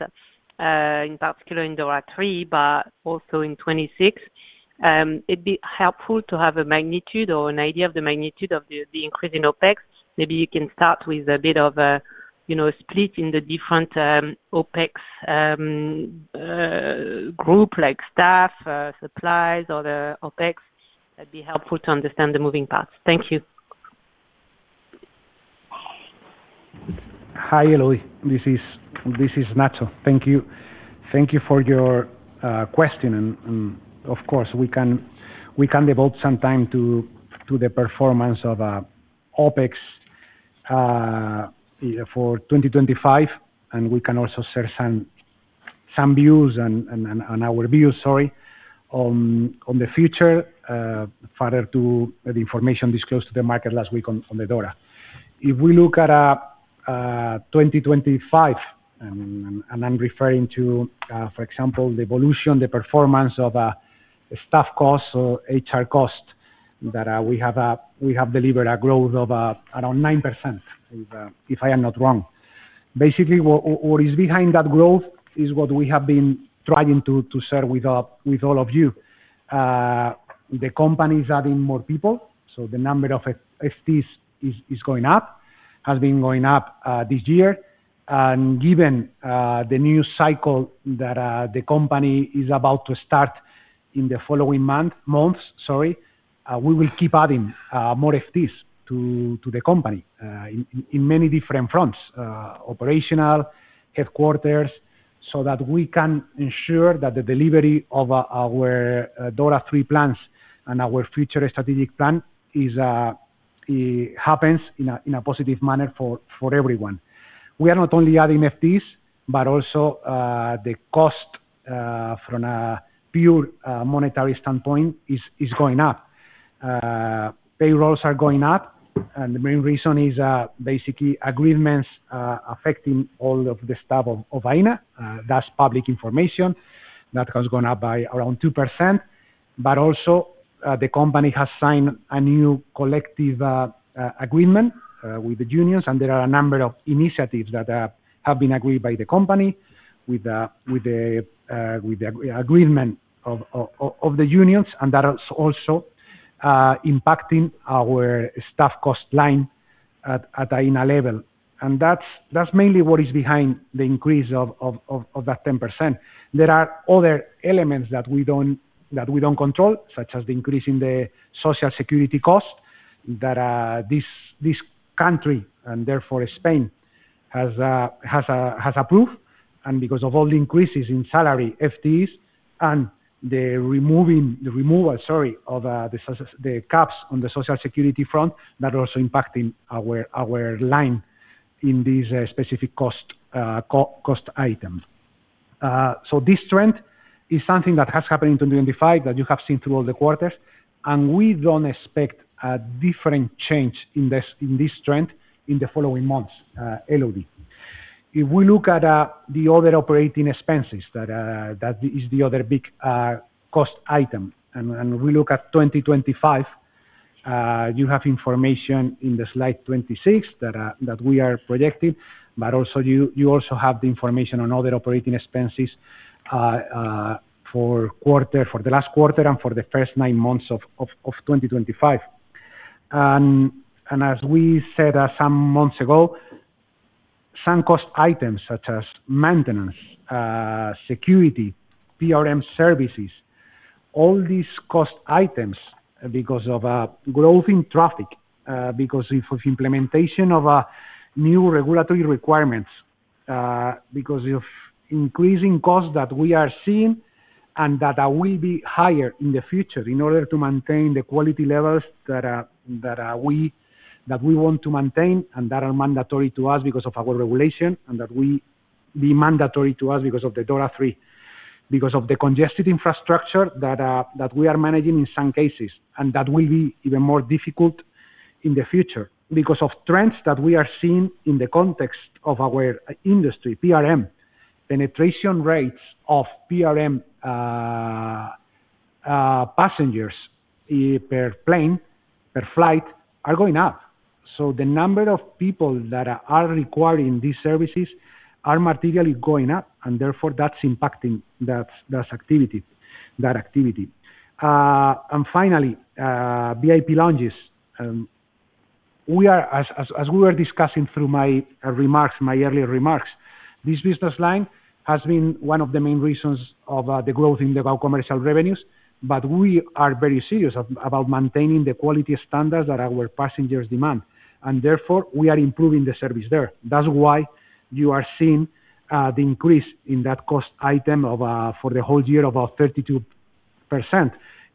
in particular in DORA III, but also in 2026. It'd be helpful to have a magnitude or an idea of the magnitude of the increase in OpEx. Maybe you can start with a bit of a, you know, split in the different OpEx group, like staff, supplies, or the OpEx. That'd be helpful to understand the moving parts. Thank you. Hi, Elodie. This is Ignacio. Thank you for your question, and of course, we can devote some time to the performance of OpEx for 2025, and we can also share some views and our view, sorry, on the future further to the information disclosed to the market last week on the DORA. If we look at 2025, and I'm referring to, for example, the evolution, the performance of staff costs or HR costs, that we have delivered a growth of around 9%, if I am not wrong. Basically, what is behind that growth is what we have been trying to share with all of you. The company is adding more people, so the number of FTs is going up, has been going up this year. Given the new cycle that the company is about to start in the following months, sorry, we will keep adding more FTs to the company in many different fronts, operational, headquarters, so that we can ensure that the delivery of our DORA III plans and our future strategic plan is, happens in a positive manner for everyone. We are not only adding FTs, but also, the cost from a pure monetary standpoint is going up. Payrolls are going up, and the main reason is basically agreements affecting all of the staff of Aena. That's public information. That has gone up by around 2%, but also, the company has signed a new collective agreement with the unions, and there are a number of initiatives that have been agreed by the company with the agreement of the unions, and that is also impacting our staff cost line at Aena level. That's mainly what is behind the increase of that 10%. There are other elements that we don't control, such as the increase in the Social Security costs that this country, and therefore Spain, has approved. Because of all the increases in salary, FTS, and the removing... the removal, sorry, of the caps on the Social Security front, that are also impacting our line in these specific cost items. This trend is something that has happened in 2025, that you have seen through all the quarters, and we don't expect a different change in this trend in the following months, Elodie. If we look at the other operating expenses that is the other big cost item, and we look at 2025, you have information in the slide 26 that we are projecting, but also you also have the information on other operating expenses for quarter, for the last quarter and for the first nine months of 2025. As we said, some months ago, some cost items, such as maintenance, security, PRM services, all these cost items because of growth in traffic, because of implementation of new regulatory requirements, because of increasing costs that we are seeing and that will be higher in the future in order to maintain the quality levels that we want to maintain, and that are mandatory to us because of our regulation, and that will be mandatory to us because of the DORA III. Because of the congested infrastructure that we are managing in some cases, and that will be even more difficult in the future. Because of trends that we are seeing in the context of our industry, PRM. Penetration rates of PRM passengers per plane, per flight, are going up. The number of people that are requiring these services are materially going up, and therefore that's impacting that activity. And finally, VIP lounges. We are, as we were discussing through my remarks, my earlier remarks, this business line has been one of the main reasons of the growth in the non-commercial revenues, but we are very serious about maintaining the quality standards that our passengers demand, and therefore we are improving the service there. That's why you are seeing the increase in that cost item of for the whole year, about 32%.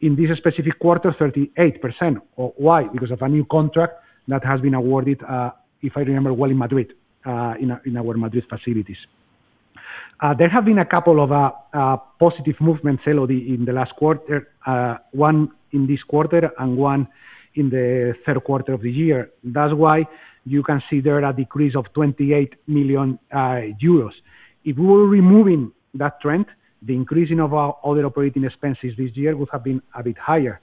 In this specific quarter, 38%. Why? Because of a new contract that has been awarded, if I remember well, in Madrid, in our Madrid facilities. There have been a couple of positive movements, Elodie, in the last quarter. One in this quarter and one in the third quarter of the year. That's why you can see there a decrease of 28 million euros. If we were removing that trend, the increasing of our other operating expenses this year would have been a bit higher.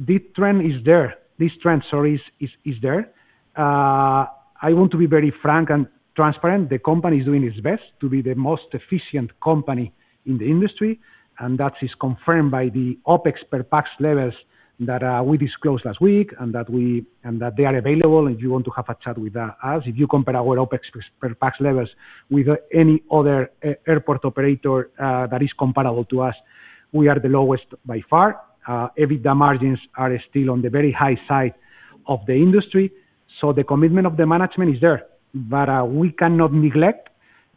The trend is there. This trend, sorry, is there. I want to be very frank and transparent. The company is doing its best to be the most efficient company in the industry, and that is confirmed by the OpEx per PAX levels that we disclosed last week, and that they are available, if you want to have a chat with us. If you compare our OpEx per PAX levels with any other airport operator that is comparable to us, we are the lowest by far. EBITDA margins are still on the very high side of the industry. The commitment of the management is there. We cannot neglect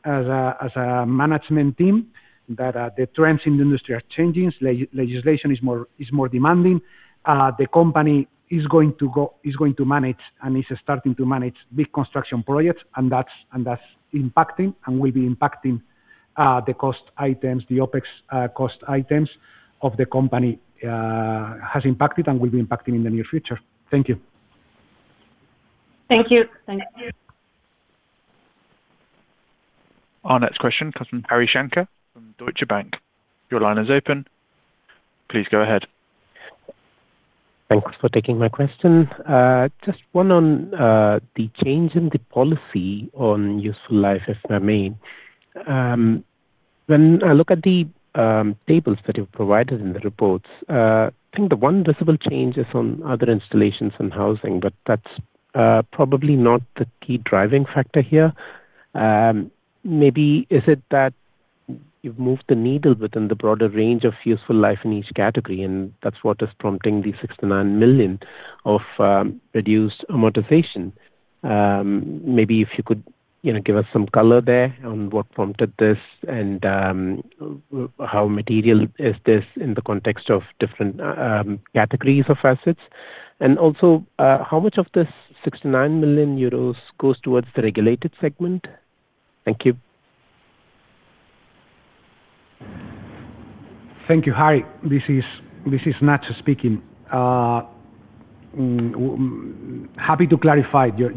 as a management team that the trends in the industry are changing. Legislation is more demanding. The company is going to manage, and is starting to manage big construction projects, and that's impacting and will be impacting, the cost items, the OpEx cost items of the company has impacted and will be impacting in the near future. Thank you. Thank you. Thank you. Our next question comes from Harry Gowers from JP Morgan. Your line is open. Please go ahead. Thanks for taking my question. Just one on the change in the policy on useful life, if I may. When I look at the tables that you've provided in the reports, I think the one visible change is on other installations and housing, but that's probably not the key driving factor here. Maybe is it that you've moved the needle within the broader range of useful life in each category, and that's what is prompting the 69 million of reduced amortization? Maybe if you could, you know, give us some color there on what prompted this, and how material is this in the context of different categories of assets? Also, how much of this 69 million euros goes towards the regulated segment? Thank you. Thank you. Harry, this is, this is Ignacio speaking. Uh, mm, happy to clarify your,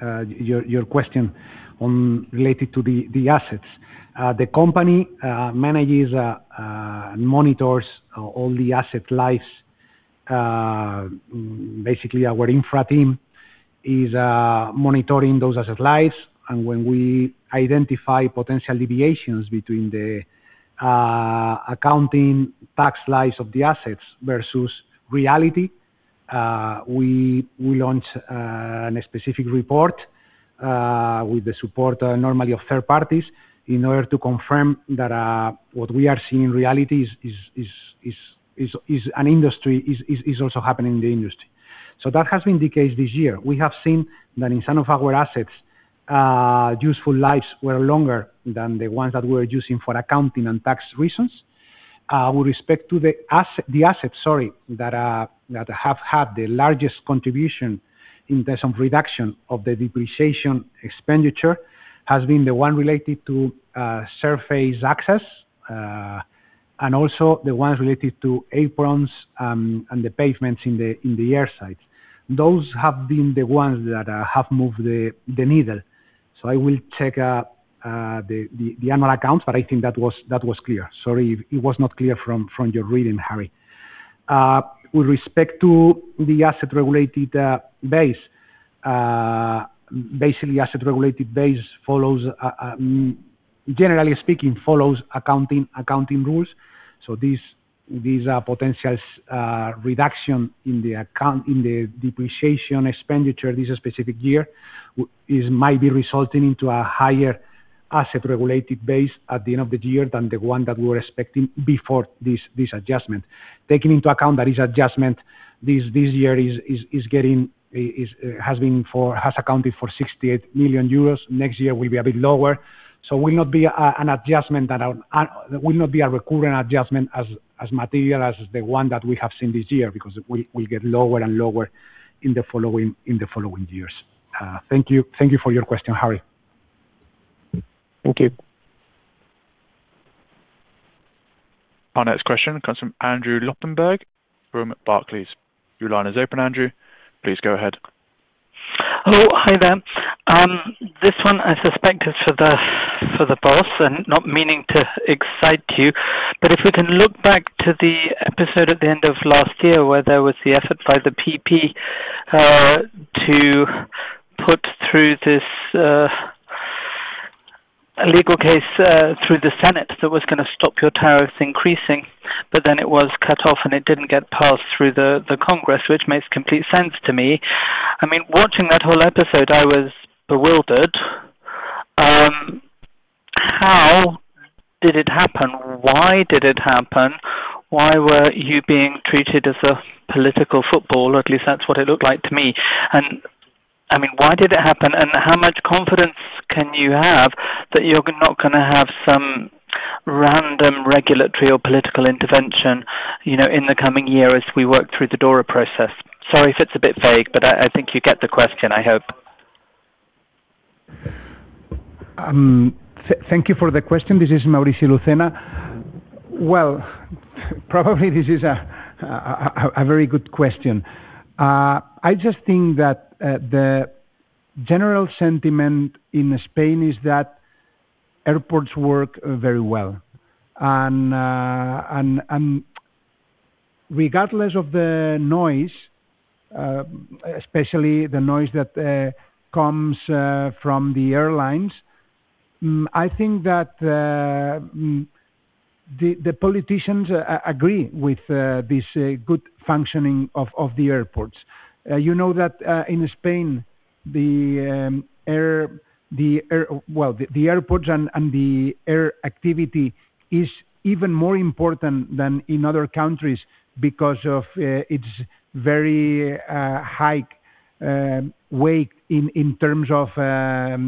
uh, question on related to the, the assets. Uh, the company, uh, manages, uh, monitors, all the asset lives. basically, our infra team is, uh, monitoring those asset lives, and when we identify potential deviations between the, accounting tax lives of the assets versus reality, we launch, a specific report, with the support, normally of third parties, in order to confirm that, what we are seeing in reality is an industry, is also happening in the industry. So that has been the case this year. We have seen that in some of our assets, uh, useful lives were longer than the ones that we're using for accounting and tax reasons. With respect to the assets, sorry, that have had the largest contribution in terms of reduction of the depreciation expenditure, has been the one related to surface access and also the ones related to aprons and the pavements in the airside. Those have been the ones that have moved the needle. I will check the annual accounts, but I think that was clear. Sorry if it was not clear from your reading, Harry. With respect to the asset-related base, basically, asset-related base follows, generally speaking, follows accounting rules. These are potentials, reduction in the account, in the depreciation expenditure this specific year, is might be resulting into a higher asset-related base at the end of the year than the one that we were expecting before this adjustment. Taking into account that this adjustment this year has accounted for 68 million euros. Next year will be a bit lower. Will not be an adjustment that will not be a recurring adjustment as material as the one that we have seen this year, because it will get lower and lower in the following years. Thank you. Thank you for your question, Harry. Thank you. Our next question comes from Andrew Lobbenberg from Barclays. Your line is open, Andrew. Please go ahead. Hello. Hi there. This one I suspect is for the boss, and not meaning to excite you. If we can look back to the episode at the end of last year, where there was the effort by the PP, to put through this legal case, through the Senate, that was gonna stop your tariffs increasing, but then it was cut off, and it didn't get passed through the Congress, which makes complete sense to me. I mean, watching that whole episode, I was bewildered. How did it happen? Why did it happen? Why were you being treated as a political football? At least that's what it looked like to me. I mean, why did it happen, and how much confidence can you have that you're not gonna have some random regulatory or political intervention, you know, in the coming year as we work through the DORA process? Sorry if it's a bit vague, but I think you get the question, I hope. Thank you for the question. This is Maurici Lucena. Well, probably this is a very good question. I just think that the general sentiment in Spain is that airports work very well. Regardless of the noise, especially the noise that comes from the airlines, I think that the politicians agree with this good functioning of the airports. You know that in Spain, the airports and the air activity is even more important than in other countries because of its very high weight in terms of the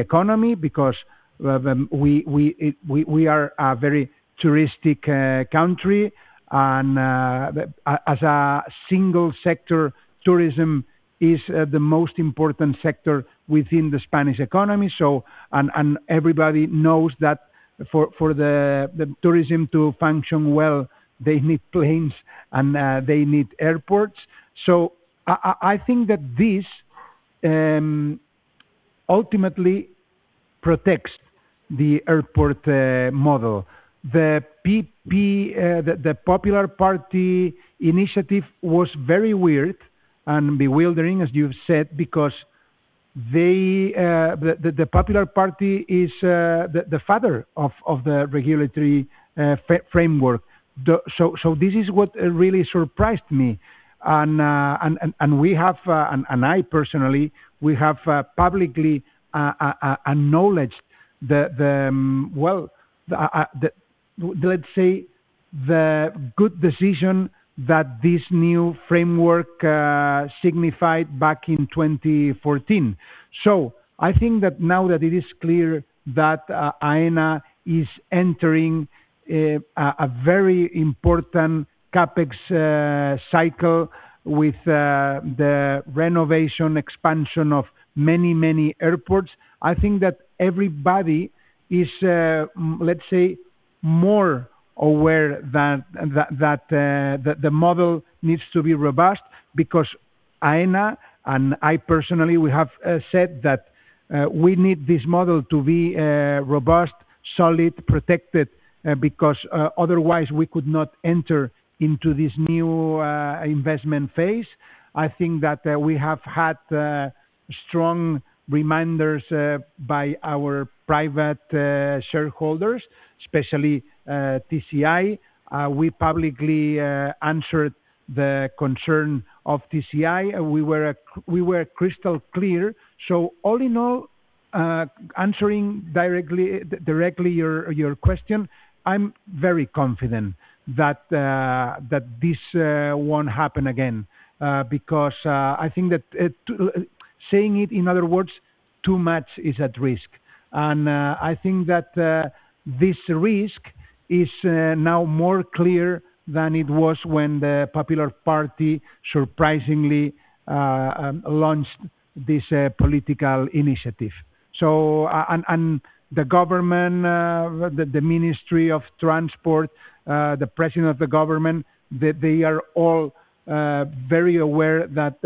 economy, because we are a very touristic country. As a single sector, tourism is the most important sector within the Spanish economy. Everybody knows that for the tourism to function well, they need planes and they need airports. I think that this ultimately protects the airport model. The PP, the Popular Party initiative was very weird and bewildering, as you've said, because the Popular Party is the father of the regulatory framework. This is what really surprised me. I personally, we have publicly acknowledged the let's say, the good decision that this new framework signified back in 2014. I think that now that it is clear that Aena is entering a very important CapEx cycle with the renovation, expansion of many, many airports, I think that everybody is, let's say, more aware that the model needs to be robust because Aena and I personally, we have said that we need this model to be robust, solid, protected, because otherwise we could not enter into this new investment phase. I think that we have had strong reminders by our private shareholders, especially TCI. We publicly answered the concern of TCI, we were crystal clear. All in all, answering directly your question, I'm very confident that this won't happen again because I think that, saying it, in other words, too much is at risk. I think that this risk is now more clear than it was when the Popular Party surprisingly launched this political initiative. The government, the Ministry of Transport, the President of the Government, they are all very aware that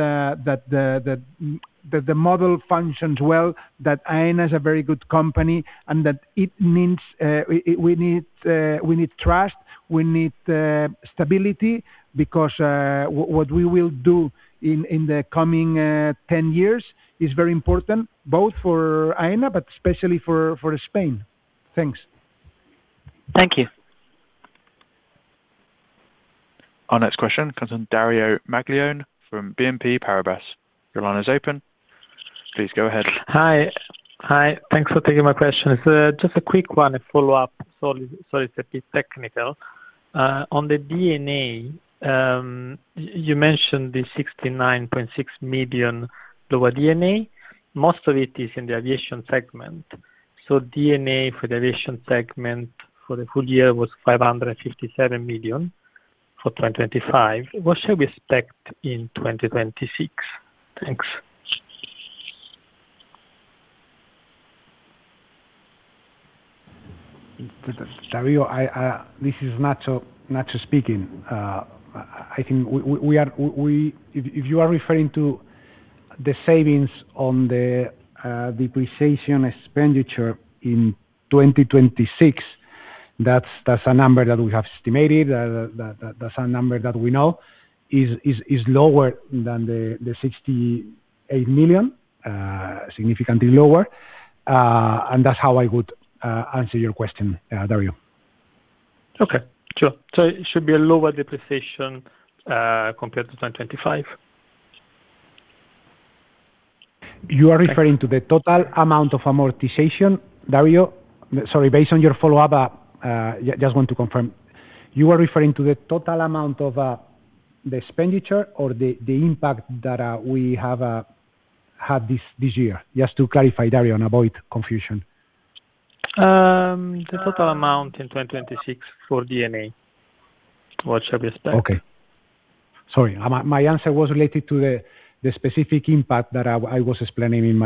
the model functions well, that Aena is a very good company, and that it means we need trust, we need stability, because what we will do in the coming 10 years is very important, both for Aena, but especially for Spain. Thanks. Thank you. Our next question comes from Dario Maglione, from BNP Paribas. Your line is open. Please go ahead. Hi. Hi, thanks for taking my questions. Just a quick one, a follow-up. Sorry, it's a bit technical. On the D&A, you mentioned the 69.6 million lower D&A. Most of it is in the aviation segment. D&A for the aviation segment for the full year was 557 million for 2025. What should we expect in 2026? Thanks. Dario, I, this is Ignacio speaking. I think we are if you are referring to the savings on the depreciation expenditure in 2026, that's a number that we have estimated. That's a number that we know is lower than the 68 million, significantly lower. And that's how I would answer your question, Dario. Okay, sure. It should be a lower depreciation, compared to 2025? You are referring to the total amount of amortization, Dario? Sorry, based on your follow-up, just want to confirm. You are referring to the total amount of the expenditure or the impact that we have had this year? Just to clarify, Dario, and avoid confusion. The total amount in 2026 for D&A, what should we expect? Sorry, my answer was related to the specific impact that I was explaining in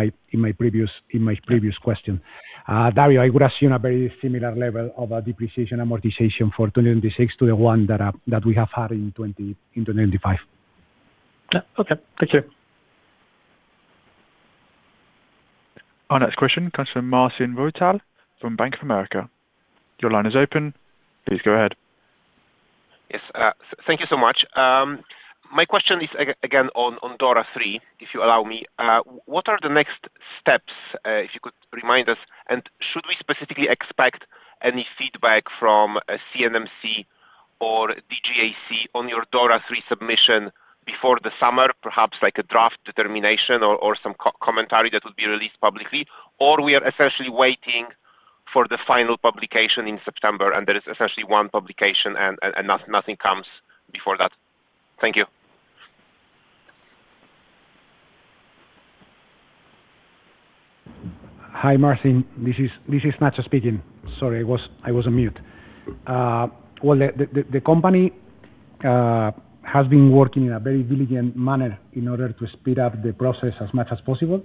my previous question. Dario, I would assume a very similar level of depreciation amortization for 2026 to the one that we have had in 2025. Yeah. Okay, thank you. Our next question comes from Marcin Wojtal from Bank of America. Your line is open. Please go ahead. Yes, thank you so much. My question is again, on DORA III, if you allow me. What are the next steps, if you could remind us? Should we specifically expect any feedback from a CNMC or DGAC on your DORA III submission before the summer? Perhaps like a draft determination or some commentary that would be released publicly, or we are essentially waiting for the final publication in September, and there is essentially one publication and nothing comes before that? Thank you. Hi, Marcin. This is Ignacio speaking. Sorry, I was on mute. Well, the company has been working in a very diligent manner in order to speed up the process as much as possible,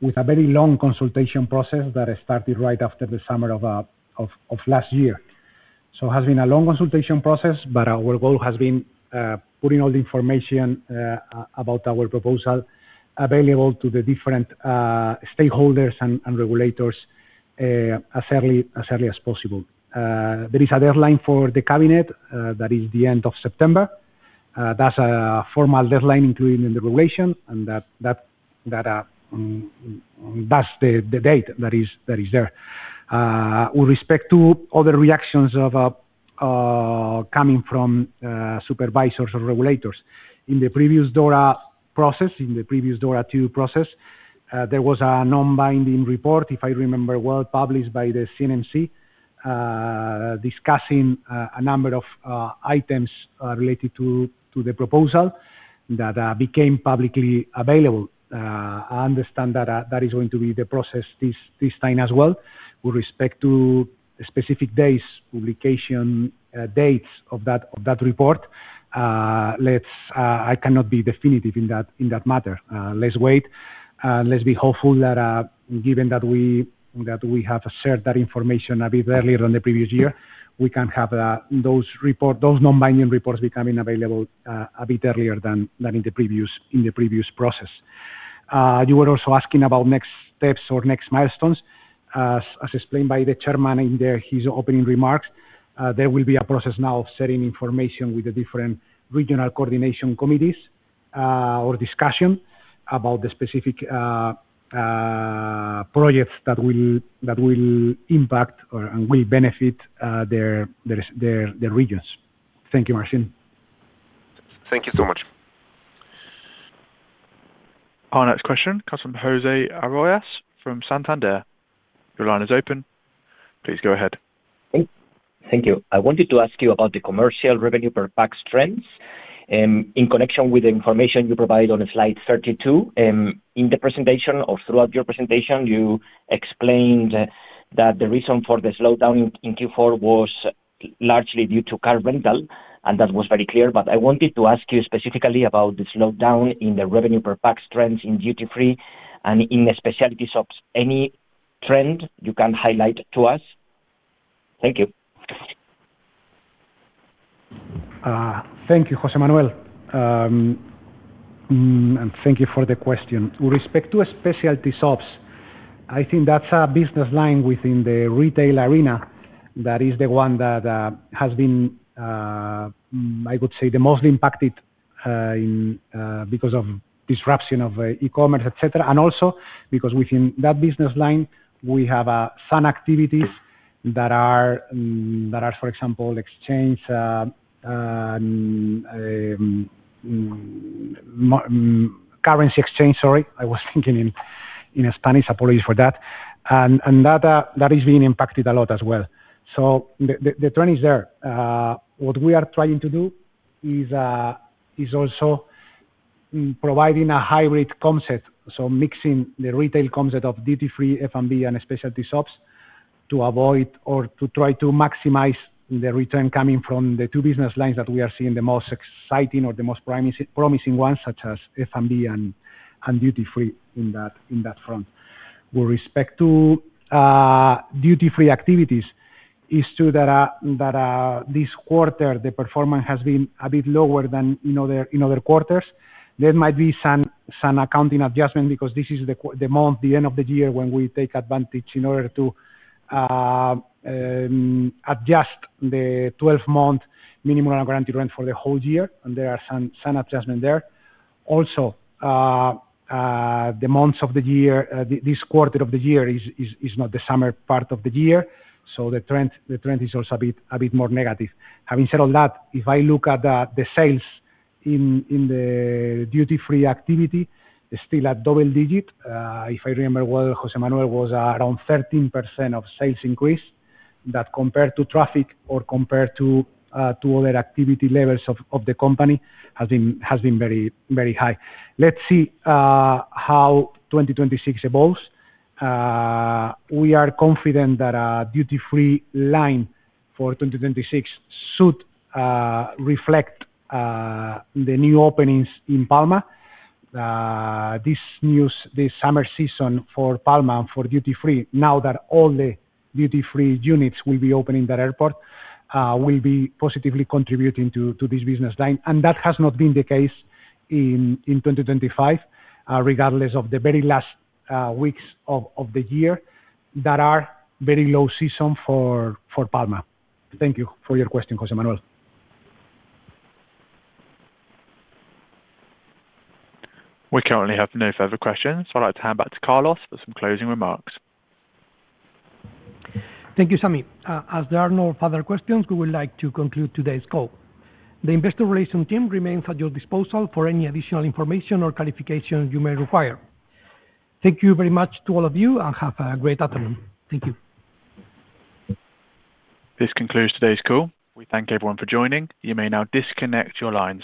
with a very long consultation process that started right after the summer of last year. It has been a long consultation process, but our goal has been putting all the information about our proposal available to the different stakeholders and regulators as early as possible. There is a deadline for the cabinet that is the end of September. That's a formal deadline, including in the regulation, and that's the date that is there. With respect to other reactions of coming from supervisors or regulators. In the previous DORA process, in the previous DORA II process, there was a non-binding report, if I remember well, published by the CNMC, discussing a number of items related to the proposal that became publicly available. I understand that that is going to be the process this time as well. With respect to specific days, publication dates of that report, let's, I cannot be definitive in that matter. Let's wait. Let's be hopeful that given that we have shared that information a bit earlier than the previous year, we can have those report, those non-binding reports becoming available a bit earlier than in the previous process. You were also asking about next steps or next milestones. As explained by the chairman in his opening remarks, there will be a process now of sharing information with the different regional coordination committees, or discussion about the specific projects that will impact or, and will benefit, their regions. Thank you, Marcin. Thank you so much. Our next question comes from José Arroyas from Santander. Your line is open, please go ahead. Thank you. I wanted to ask you about the commercial revenue per pax trends, in connection with the information you provided on slide 32. In the presentation or throughout your presentation, you explained that the reason for the slowdown in Q4 was largely due to car rental, and that was very clear. I wanted to ask you specifically about the slowdown in the revenue per pax trends in duty-free and in the specialty shops. Any trend you can highlight to us? Thank you. Thank you, Jose Manuel. Thank you for the question. With respect to specialty shops, I think that's a business line within the retail arena that is the one that has been, I would say, the most impacted because of disruption of e-commerce, et cetera. Also because within that business line, we have some activities that are, for example, exchange, currency exchange, sorry, I was thinking in Spanish. Apologies for that. That is being impacted a lot as well. The trend is there. What we are trying to do is also providing a high rate concept, so mixing the retail concept of duty-free, F&B, and specialty shops to avoid or to try to maximize the return coming from the two business lines that we are seeing the most exciting or the most promising ones, such as F&B and duty-free in that front. With respect to duty-free activities, it's true that this quarter, the performance has been a bit lower than in other quarters. There might be some accounting adjustment because this is the month, the end of the year when we take advantage in order to adjust the 12-month minimum guaranteed rent for the whole year, and there are some adjustment there. Also, the months of the year, this quarter of the year is not the summer part of the year. The trend is also a bit more negative. Having said all that, if I look at the sales in the duty-free activity, it's still at double digit. If I remember well, José Manuel, was around 13% of sales increase. That compared to traffic or compared to other activity levels of the company, has been very, very high. Let's see how 2026 evolves. We are confident that our duty-free line for 2026 should reflect the new openings in Palma. This new this summer season for Palma and for duty-free, now that all the duty-free units will be open in that airport, will be positively contributing to this business line. That has not been the case in 2025, regardless of the very last weeks of the year that are very low season for Palma. Thank you for your question, José Manuel. We currently have no further questions. I'd like to hand back to Carlos for some closing remarks. Thank you, Sammy. As there are no further questions, we would like to conclude today's call. The investor relation team remains at your disposal for any additional information or clarification you may require. Thank you very much to all of you, and have a great afternoon. Thank you. This concludes today's call. We thank everyone for joining. You may now disconnect your lines.